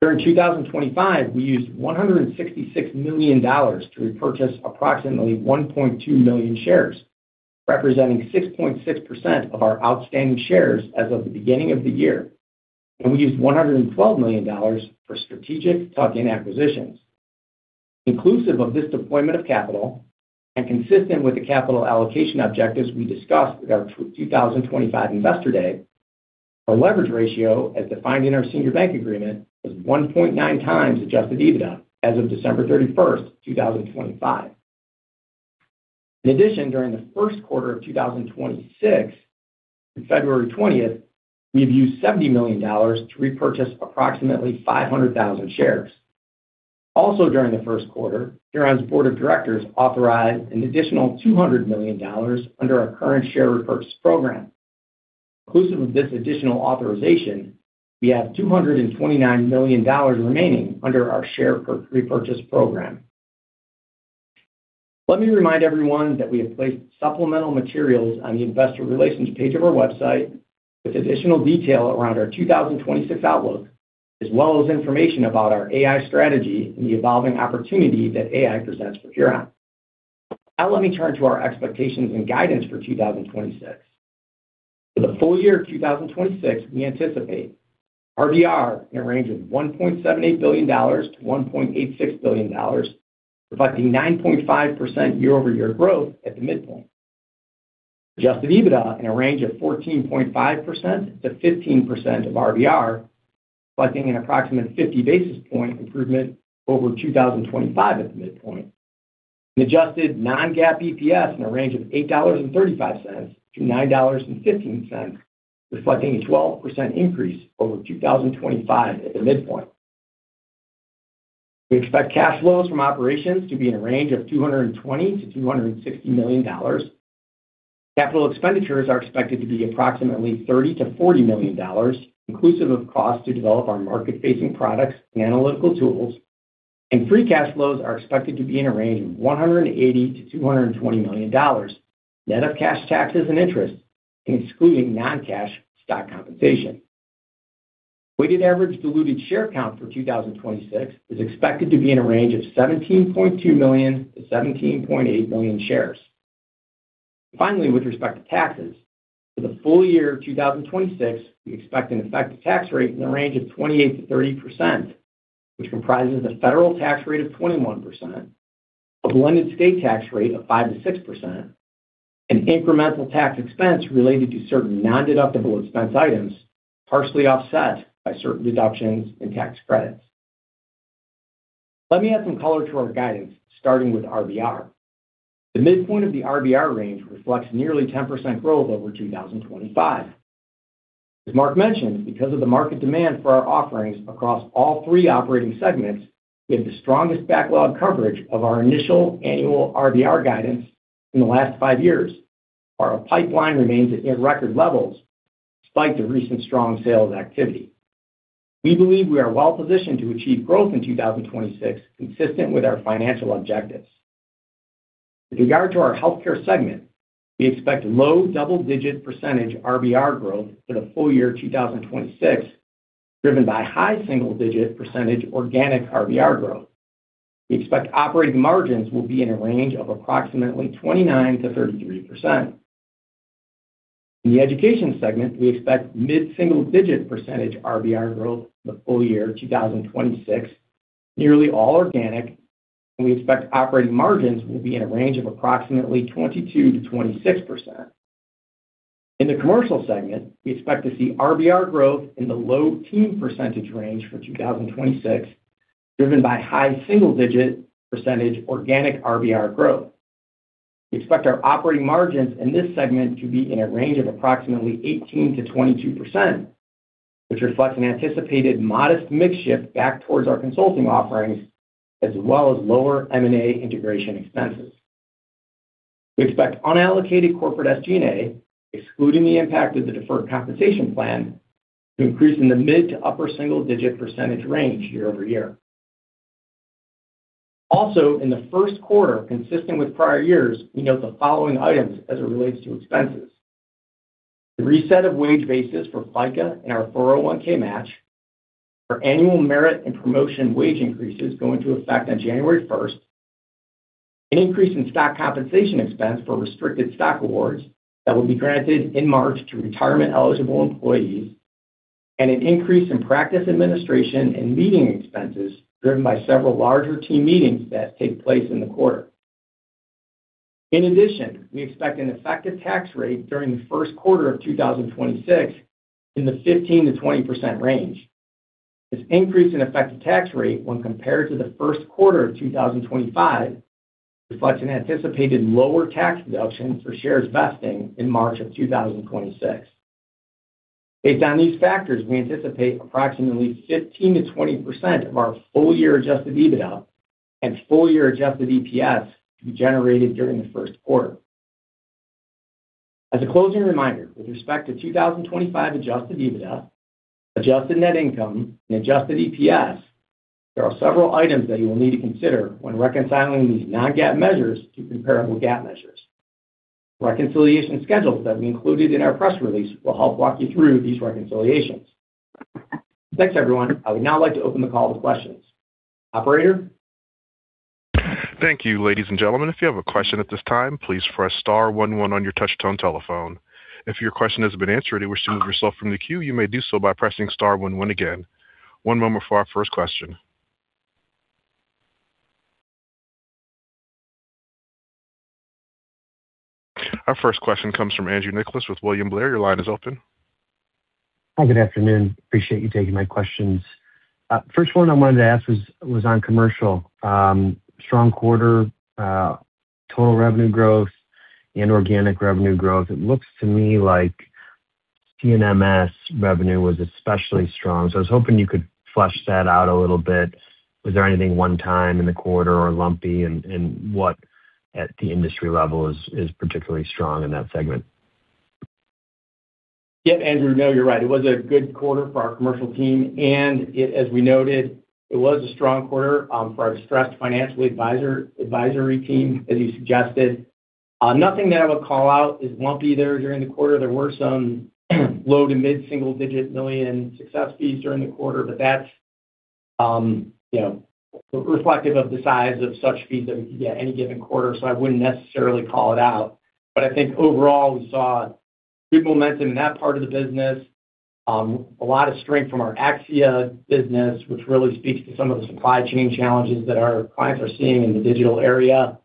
S3: During 2025, we used $166 million to repurchase approximately 1.2 million shares, representing 6.6% of our outstanding shares as of the beginning of the year. We used $112 million for strategic tuck-in acquisitions. Inclusive of this deployment of capital and consistent with the capital allocation objectives we discussed at our 2025 Investor Day, our leverage ratio, as defined in our senior bank agreement, was 1.9 times adjusted EBITDA as of December 31, 2025. In addition, during the first quarter of 2026, on February 20th, we have used $70 million to repurchase approximately 500,000 shares. During the first quarter, Huron's board of directors authorized an additional $200 million under our current share repurchase program. Inclusive of this additional authorization, we have $229 million remaining under our share repurchase program. Let me remind everyone that we have placed supplemental materials on the investor relations page of our website with additional detail around our 2026 outlook as well as information about our AI strategy and the evolving opportunity that AI presents for Huron. Now let me turn to our expectations and guidance for 2026. For the full year of 2026, we anticipate RBR in a range of $1.78 billion-$1.86 billion, reflecting 9.5% year-over-year growth at the midpoint. Adjusted EBITDA in a range of 14.5%-15% of RBR, reflecting an approximate 50 basis point improvement over 2025 at the midpoint, and adjusted non-GAAP EPS in a range of $8.35-$9.15, reflecting a 12% increase over 2025 at the midpoint. We expect cash flows from operations to be in a range of $220 million-$260 million. Capital expenditures are expected to be approximately $30 million-$40 million, inclusive of costs to develop our market-facing products and analytical tools, and free cash flows are expected to be in a range of $180 million-$220 million, net of cash taxes and interest, and excluding non-cash stock compensation. Weighted average diluted share count for 2026 is expected to be in a range of 17.2 million-17.8 million shares. With respect to taxes, for the full year of 2026, we expect an effective tax rate in the range of 28%-30%, which comprises a federal tax rate of 21%, a blended state tax rate of 5%-6%, and incremental tax expense related to certain nondeductible expense items, partially offset by certain deductions and tax credits. Let me add some color to our guidance, starting with RBR. The midpoint of the RBR range reflects nearly 10% growth over 2025. As Mark mentioned, because of the market demand for our offerings across all three operating segments, we have the strongest backlog coverage of our initial annual RBR guidance in the last five years. Our pipeline remains at record levels despite the recent strong sales activity. We believe we are well-positioned to achieve growth in 2026, consistent with our financial objectives. With regard to our healthcare segment, we expect low double-digit percentage RBR growth for the full year 2026, driven by high single-digit percentage organic RBR growth. We expect operating margins will be in a range of approximately 29%-33%. In the education segment, we expect mid-single-digit percentage RBR growth for the full year 2026, nearly all organic, and we expect operating margins will be in a range of approximately 22%-26%. In the commercial segment, we expect to see RBR growth in the low teen percentage range for 2026, driven by high single-digit percentage organic RBR growth. We expect our operating margins in this segment to be in a range of approximately 18%-22%, which reflects an anticipated modest mix shift back towards our consulting offerings, as well as lower M&A integration expenses. We expect unallocated corporate SG&A, excluding the impact of the deferred compensation plan, to increase in the mid to upper single-digit percentage range year-over-year. In the first quarter, consistent with prior years, we note the following items as it relates to expenses: The reset of wage bases for FICA and our 401(k) match, our annual merit and promotion wage increases go into effect on January 1st, an increase in stock compensation expense for restricted stock awards that will be granted in March to retirement-eligible employees, and an increase in practice administration and meeting expenses driven by several larger team meetings that take place in the quarter. We expect an effective tax rate during the first quarter of 2026 in the 15%-20% range. This increase in effective tax rate when compared to the first quarter of 2025, reflects an anticipated lower tax deduction for shares vesting in March of 2026. Based on these factors, we anticipate approximately 15%-20% of our full-year adjusted EBITDA and full-year adjusted EPS to be generated during the first quarter. As a closing reminder, with respect to 2025 adjusted EBITDA, adjusted net income, and adjusted EPS, there are several items that you will need to consider when reconciling these non-GAAP measures to comparable GAAP measures. Reconciliation schedules that we included in our press release will help walk you through these reconciliations. Thanks, everyone. I would now like to open the call to questions. Operator?
S1: Thank you, ladies and gentlemen. If you have a question at this time, please press star one one on your touchtone telephone. If your question has been answered and you wish to remove yourself from the queue, you may do so by pressing star one one again. One moment for our first question. Our first question comes from Andrew Nicholas with William Blair. Your line is open.
S4: Hi, good afternoon. Appreciate you taking my questions. First one I wanted to ask was on commercial. Strong quarter, total revenue growth and organic revenue growth. It looks to me like CNMS revenue was especially strong, so I was hoping you could flesh that out a little bit. Was there anything one time in the quarter or lumpy? What at the industry level is particularly strong in that segment?
S3: Yep, Andrew. No, you're right. It was a good quarter for our commercial team, and it, as we noted, it was a strong quarter for our distressed financial advisory team, as you suggested. Nothing that I would call out is lumpy there during the quarter. There were some low to mid-single-digit million success fees during the quarter, but that's, you know, reflective of the size of such fees that we could get any given quarter, so I wouldn't necessarily call it out. I think overall, we saw good momentum in that part of the business. A lot of strength from our AXIA business, which really speaks to some of the supply chain challenges that our clients are seeing in the digital area.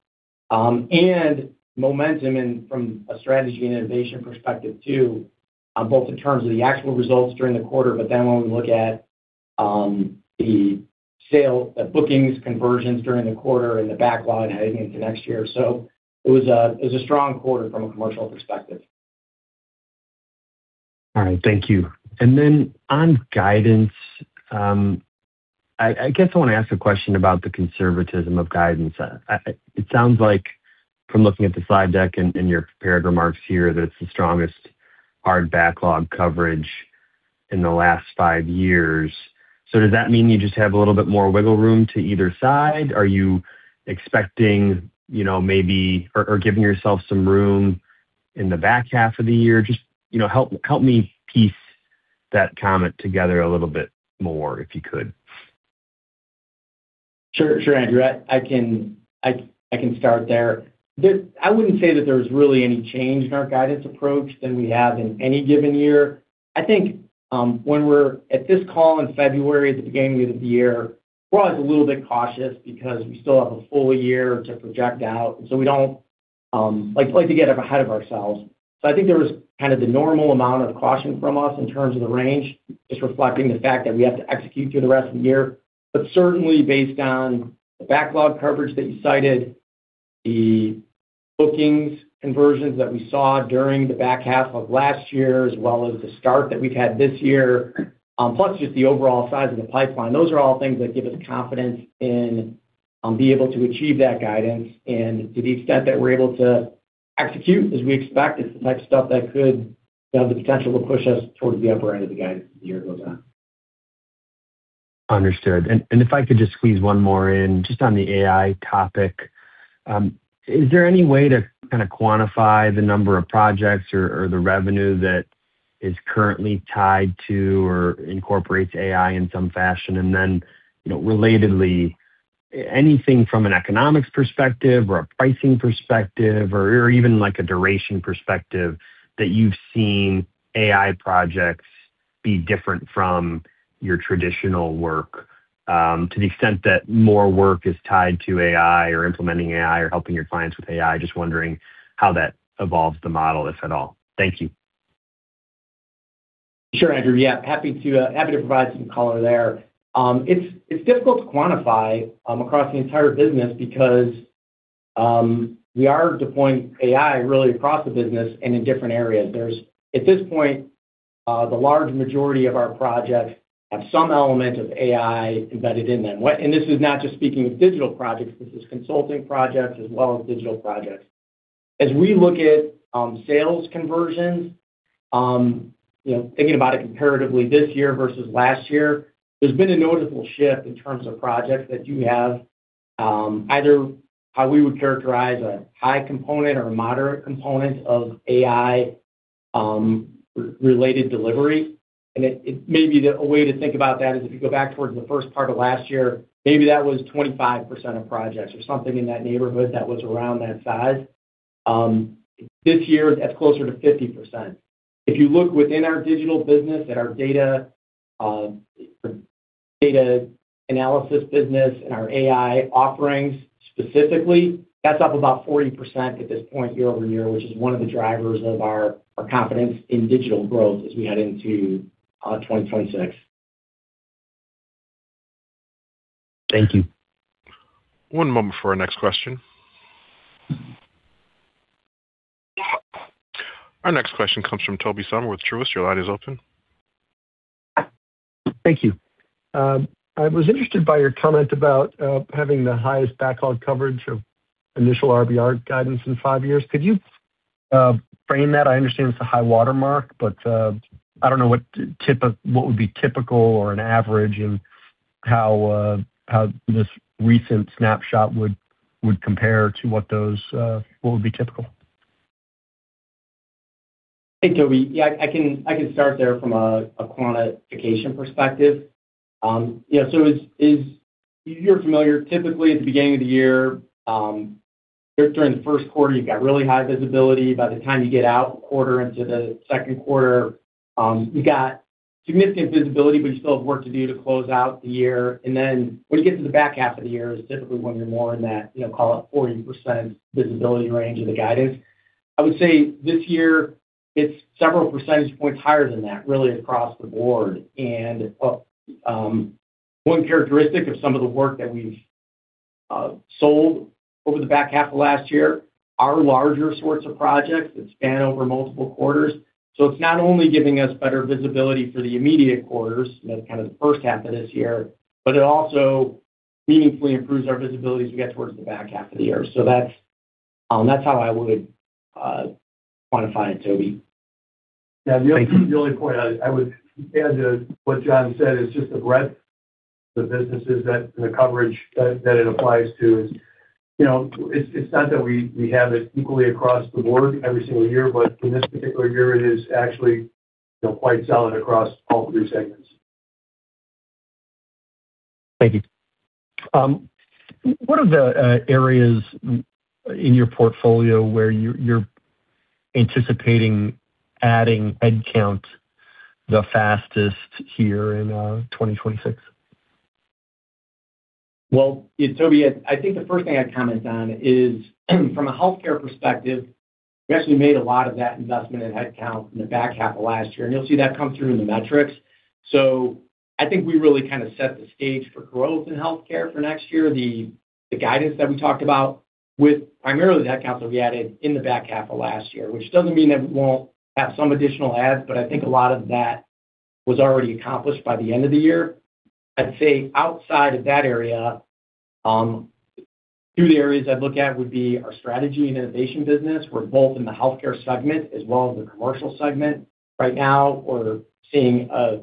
S3: Momentum in from a strategy and innovation perspective, too, both in terms of the actual results during the quarter, but then when we look at the sale, the bookings, conversions during the quarter and the backlog heading into next year. It was a strong quarter from a commercial perspective.
S4: All right, thank you. Then on guidance, I guess I want to ask a question about the conservatism of guidance. It sounds like from looking at the slide deck and your prepared remarks here, that it's the strongest hard backlog coverage in the last five years. Does that mean you just have a little bit more wiggle room to either side? Are you expecting, you know, maybe or giving yourself some room in the back half of the year? Just, you know, help me piece that comment together a little bit more, if you could.
S3: Sure, sure, Andrew. I can start there. I wouldn't say that there's really any change in our guidance approach than we have in any given year. I think, when we're at this call in February, at the beginning of the year, we're always a little bit cautious because we still have a full year to project out. We don't like to get ahead of ourselves. I think there was kind of the normal amount of caution from us in terms of the range, just reflecting the fact that we have to execute through the rest of the year. Certainly based on the backlog coverage that you cited, the bookings conversions that we saw during the back half of last year, as well as the start that we've had this year, plus just the overall size of the pipeline. Those are all things that give us confidence in, be able to achieve that guidance. To the extent that we're able to execute as we expect, it's the type of stuff that could have the potential to push us towards the upper end of the guidance as the year goes on.
S4: Understood. If I could just squeeze one more in, just on the AI topic. Is there any way to kind of quantify the number of projects or the revenue that is currently tied to or incorporates AI in some fashion? You know, relatedly, anything from an economics perspective or a pricing perspective, or even like a duration perspective, that you've seen AI projects be different from your traditional work, to the extent that more work is tied to AI or implementing AI or helping your clients with AI? Just wondering how that evolves the model, if at all. Thank you.
S3: Sure, Andrew. Happy to provide some color there. It's difficult to quantify across the entire business because we are deploying AI really across the business and in different areas. There's, at this point, the large majority of our projects have some element of AI embedded in them. This is not just speaking of digital projects, this is consulting projects as well as digital projects. We look at sales conversions, you know, thinking about it comparatively this year versus last year, there's been a noticeable shift in terms of projects that do have either how we would characterize a high component or a moderate component of AI related delivery. It may be that a way to think about that is if you go back towards the first part of last year, maybe that was 25% of projects or something in that neighborhood that was around that size. This year, that's closer to 50%. If you look within our digital business, at our data analysis business and our AI offerings specifically, that's up about 40% at this point, year-over-year, which is one of the drivers of our confidence in digital growth as we head into, 2026.
S4: Thank you.
S1: One moment before our next question. Our next question comes from Tobey Sommer with Truist. Your line is open.
S5: Thank you. I was interested by your comment about having the highest backlog coverage of initial RBR guidance in five years. Could you frame that? I understand it's a high watermark, but I don't know what would be typical or an average and how this recent snapshot would compare to what those what would be typical.
S3: Hey, Toby. Yeah, I can start there from a quantification perspective. Yeah, so it's, you're familiar, typically, at the beginning of the year, during the first quarter, you've got really high visibility. By the time you get out a quarter into the second quarter, you got significant visibility, but you still have work to do to close out the year. Then when you get to the back half of the year is typically when you're more in that, you know, call it 40% visibility range of the guidance. I would say this year, it's several percentage points higher than that, really across the board. One characteristic of some of the work that we've sold over the back half of last year are larger sorts of projects that span over multiple quarters. It's not only giving us better visibility for the immediate quarters, that's kind of the first half of this year, but it also meaningfully improves our visibility as we get towards the back half of the year. That's how I would quantify it, Tobey.
S2: The only point I would add to what John said is just the breadth of the businesses that the coverage that it applies to is, you know, it's not that we have it equally across the board every single year, but in this particular year, it is actually, you know, quite solid across all three segments.
S5: Thank you. What are the areas in your portfolio where you're anticipating adding headcount the fastest here in 2026?
S3: Well, Tobey, I think the first thing I'd comment on is, from a healthcare perspective, we actually made a lot of that investment in headcount in the back half of last year, and you'll see that come through in the metrics. I think we really kind of set the stage for growth in healthcare for next year. The guidance that we talked about with primarily the headcount that we added in the back half of last year, which doesn't mean that we won't have some additional adds, but I think a lot of that was already accomplished by the end of the year. I'd say outside of that area, two of the areas I'd look at would be our strategy and innovation business, where both in the healthcare segment as well as the commercial segment. Right now, we're seeing a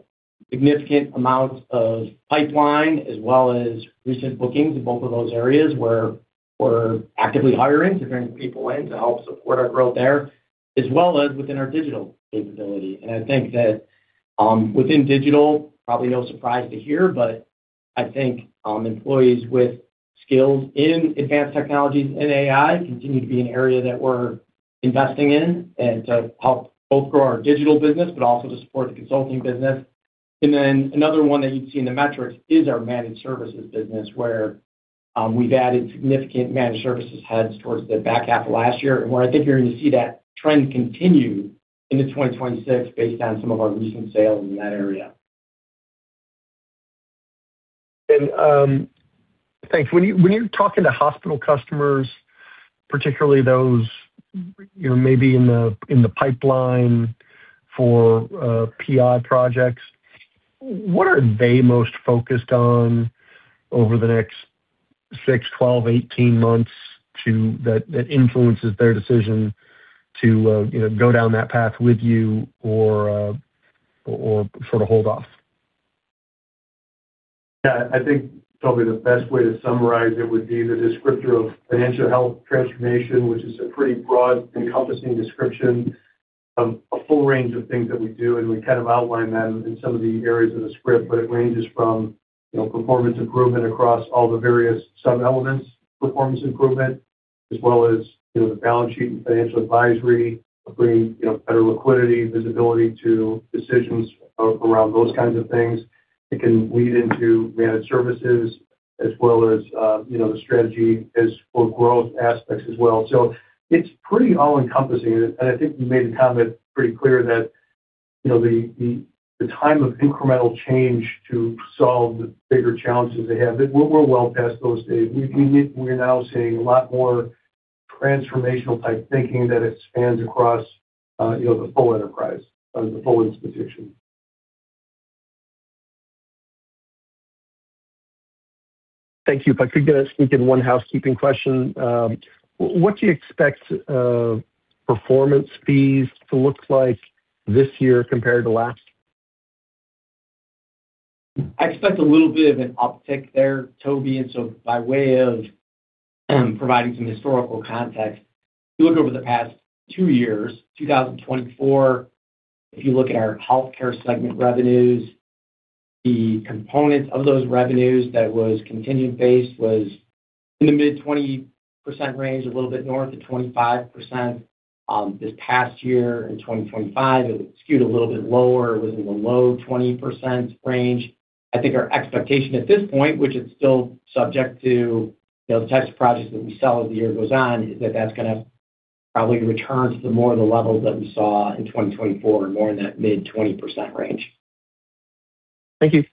S3: significant amount of pipeline, as well as recent bookings in both of those areas, where we're actively hiring, to bring people in to help support our growth there, as well as within our digital capability. Within digital, probably no surprise to hear, but I think employees with skills in advanced technologies and AI continue to be an area that we're investing in and to help both grow our digital business, but also to support the consulting business. Another one that you'd see in the metrics is our managed services business, where we've added significant managed services heads towards the back half of last year. I think you're going to see that trend continue into 2026, based on some of our recent sales in that area.
S5: Thanks. When you, when you're talking to hospital customers, particularly those, you know, maybe in the, in the pipeline for PI projects, what are they most focused on over the next six, 12, 18 months that influences their decision to, you know, go down that path with you or sort of hold off?
S2: I think probably the best way to summarize it would be the descriptor of financial health transformation, which is a pretty broad, encompassing description of a full range of things that we do, and we kind of outline them in some of the areas of the script. It ranges from, you know, performance improvement across all the various sub-elements, performance improvement, as well as, you know, the balance sheet and financial advisory, bringing, you know, better liquidity, visibility to decisions around those kinds of things. It can lead into managed services as well as, you know, the strategy is for growth aspects as well. It's pretty all-encompassing, and I think we made the comment pretty clear that, you know, the time of incremental change to solve the bigger challenges they have. We're well past those days. We're now seeing a lot more transformational-type thinking that expands across, you know, the full enterprise, the full institution.
S5: Thank you. If I could get a sneak in one housekeeping question, what do you expect performance fees to look like this year compared to last?
S3: I expect a little bit of an uptick there, Tobey, and so by way of providing some historical context, if you look over the past two years, 2024, if you look at our healthcare segment revenues, the components of those revenues that was contingent-based was in the mid-20% range, a little bit north of 25%. This past year, in 2025, it skewed a little bit lower, within the low 20% range. I think our expectation at this point, which is still subject to, you know, the types of projects that we sell as the year goes on, is that that's going to probably return to the more of the levels that we saw in 2024, more in that mid-20% range.
S5: Thank you.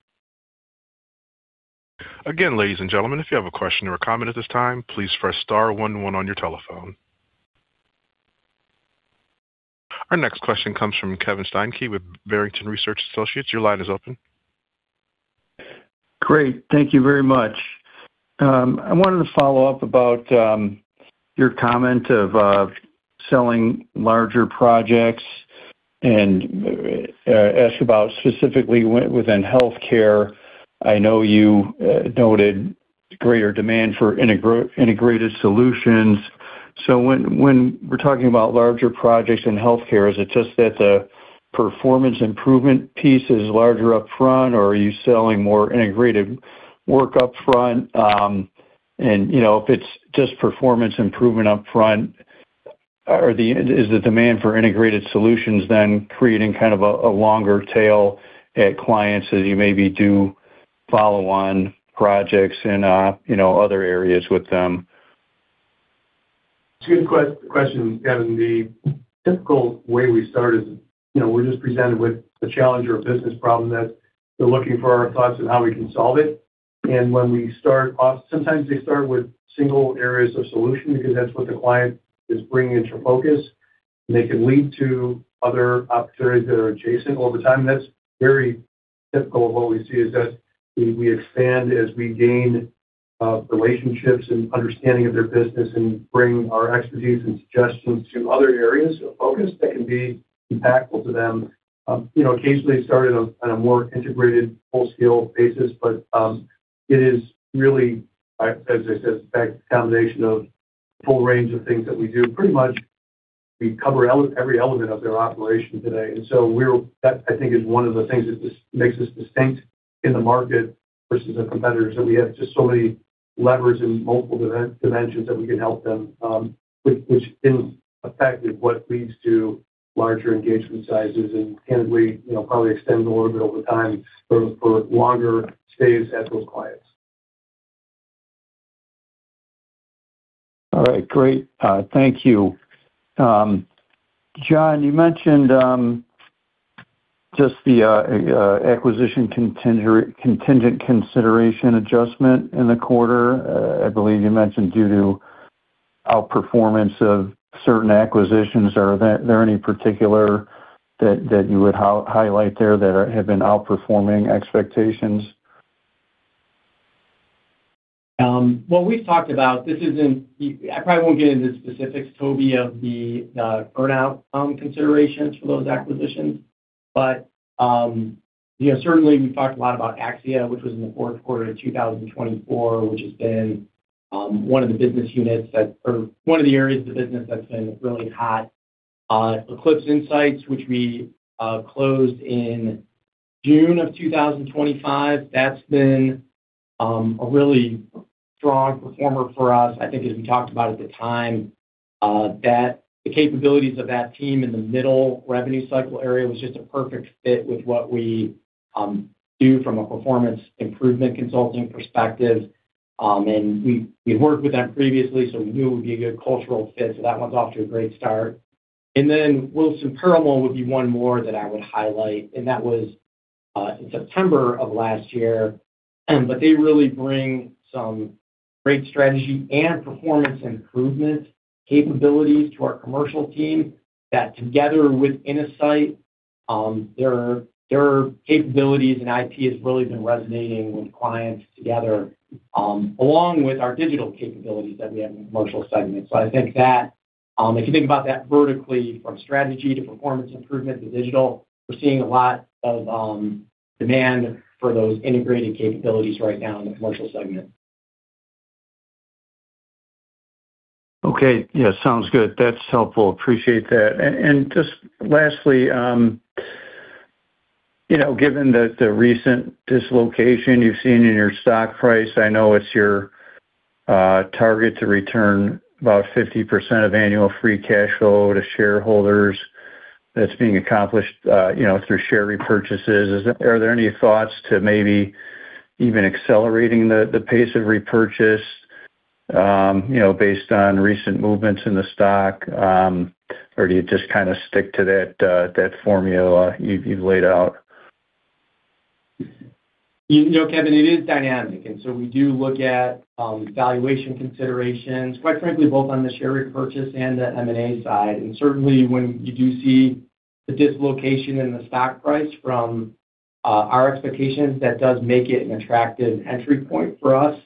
S1: Again, ladies and gentlemen, if you have a question or a comment at this time, please press star one one on your telephone. Our next question comes from Kevin Steinke with Barrington Research Associates. Your line is open.
S6: Great. Thank you very much. I wanted to follow up about your comment of selling larger projects and ask about specifically within healthcare. I know you noted greater demand for integrated solutions. When we're talking about larger projects in healthcare, is it just that the performance improvement piece is larger up front, or are you selling more integrated work up front? And, you know, if it's just performance improvement up front, is the demand for integrated solutions then creating kind of a longer tail at clients as you maybe do follow on projects in, you know, other areas with them?
S2: It's a good question, Kevin. The typical way we start is, you know, we're just presented with a challenge or a business problem, that they're looking for our thoughts on how we can solve it. When we start off, sometimes they start with single areas of solution because that's what the client is bringing into focus, and they can lead to other opportunities that are adjacent all the time. That's very typical of what we see is that we expand as we gain. relationships and understanding of their business and bring our expertise and suggestions to other areas of focus that can be impactful to them. You know, occasionally, it started on a more integrated, full-scale basis, but it is really, as I said, that combination of full range of things that we do. Pretty much, we cover every element of their operation today. That, I think, is one of the things that just makes us distinct in the market versus the competitors, that we have just so many levers in multiple dimensions that we can help them, which, in effect, is what leads to larger engagement sizes, and candidly, you know, probably extend a little bit over time for longer stays at those clients.
S6: All right, great. Thank you. John, you mentioned just the acquisition contingent consideration adjustment in the quarter. I believe you mentioned due to outperformance of certain acquisitions. Are there any particular that you would highlight there that have been outperforming expectations?
S3: What we've talked about, I probably won't get into the specifics, Tobey, of the earnout considerations for those acquisitions. You know, certainly, we've talked a lot about AXIA, which was in the fourth quarter of 2024, which has been one of the business units that, or one of the areas of the business that's been really hot. Eclipse Insights, which we closed in June of 2025, that's been a really strong performer for us. I think as we talked about at the time, that the capabilities of that team in the middle revenue cycle area was just a perfect fit with what we do from a performance improvement consulting perspective. We've worked with them previously, so we knew it would be a good cultural fit, so that one's off to a great start. Wilson Perumal would be one more that I would highlight, and that was in September of last year. They really bring some great strategy and performance improvement capabilities to our commercial team that together with Innosight, their capabilities and IP has really been resonating with clients together, along with our digital capabilities that we have in the commercial segment. I think that, if you think about that vertically, from strategy to performance improvement to digital, we're seeing a lot of demand for those integrated capabilities right now in the commercial segment.
S6: Okay. Yeah, sounds good. That's helpful. Appreciate that. Just lastly, you know, given that the recent dislocation you've seen in your stock price, I know it's your target to return about 50% of annual free cash flow to shareholders. That's being accomplished, you know, through share repurchases. Are there any thoughts to maybe even accelerating the pace of repurchase, you know, based on recent movements in the stock? Do you just kind of stick to that formula you've laid out?
S3: You know, Kevin, it is dynamic, we do look at, valuation considerations, quite frankly, both on the share repurchase and the M&A side. Certainly, when you do see the dislocation in the stock price from, our expectations, that does make it an attractive entry point for us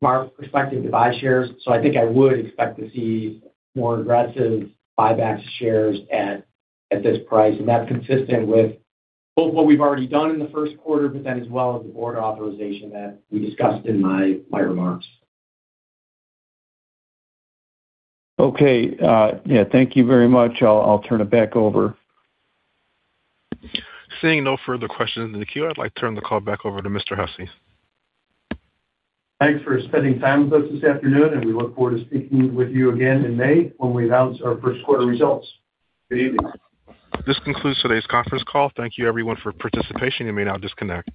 S3: from our perspective to buy shares. I think I would expect to see more aggressive buyback shares at this price, that's consistent with both what we've already done in the first quarter, as well as the board authorization that we discussed in my remarks.
S6: Okay. Yeah, thank you very much. I'll turn it back over.
S1: Seeing no further questions in the queue, I'd like to turn the call back over to Mr. Hussey.
S2: Thanks for spending time with us this afternoon, and we look forward to speaking with you again in May when we announce our first quarter results. Good evening.
S1: This concludes today's conference call. Thank you everyone for participation. You may now disconnect.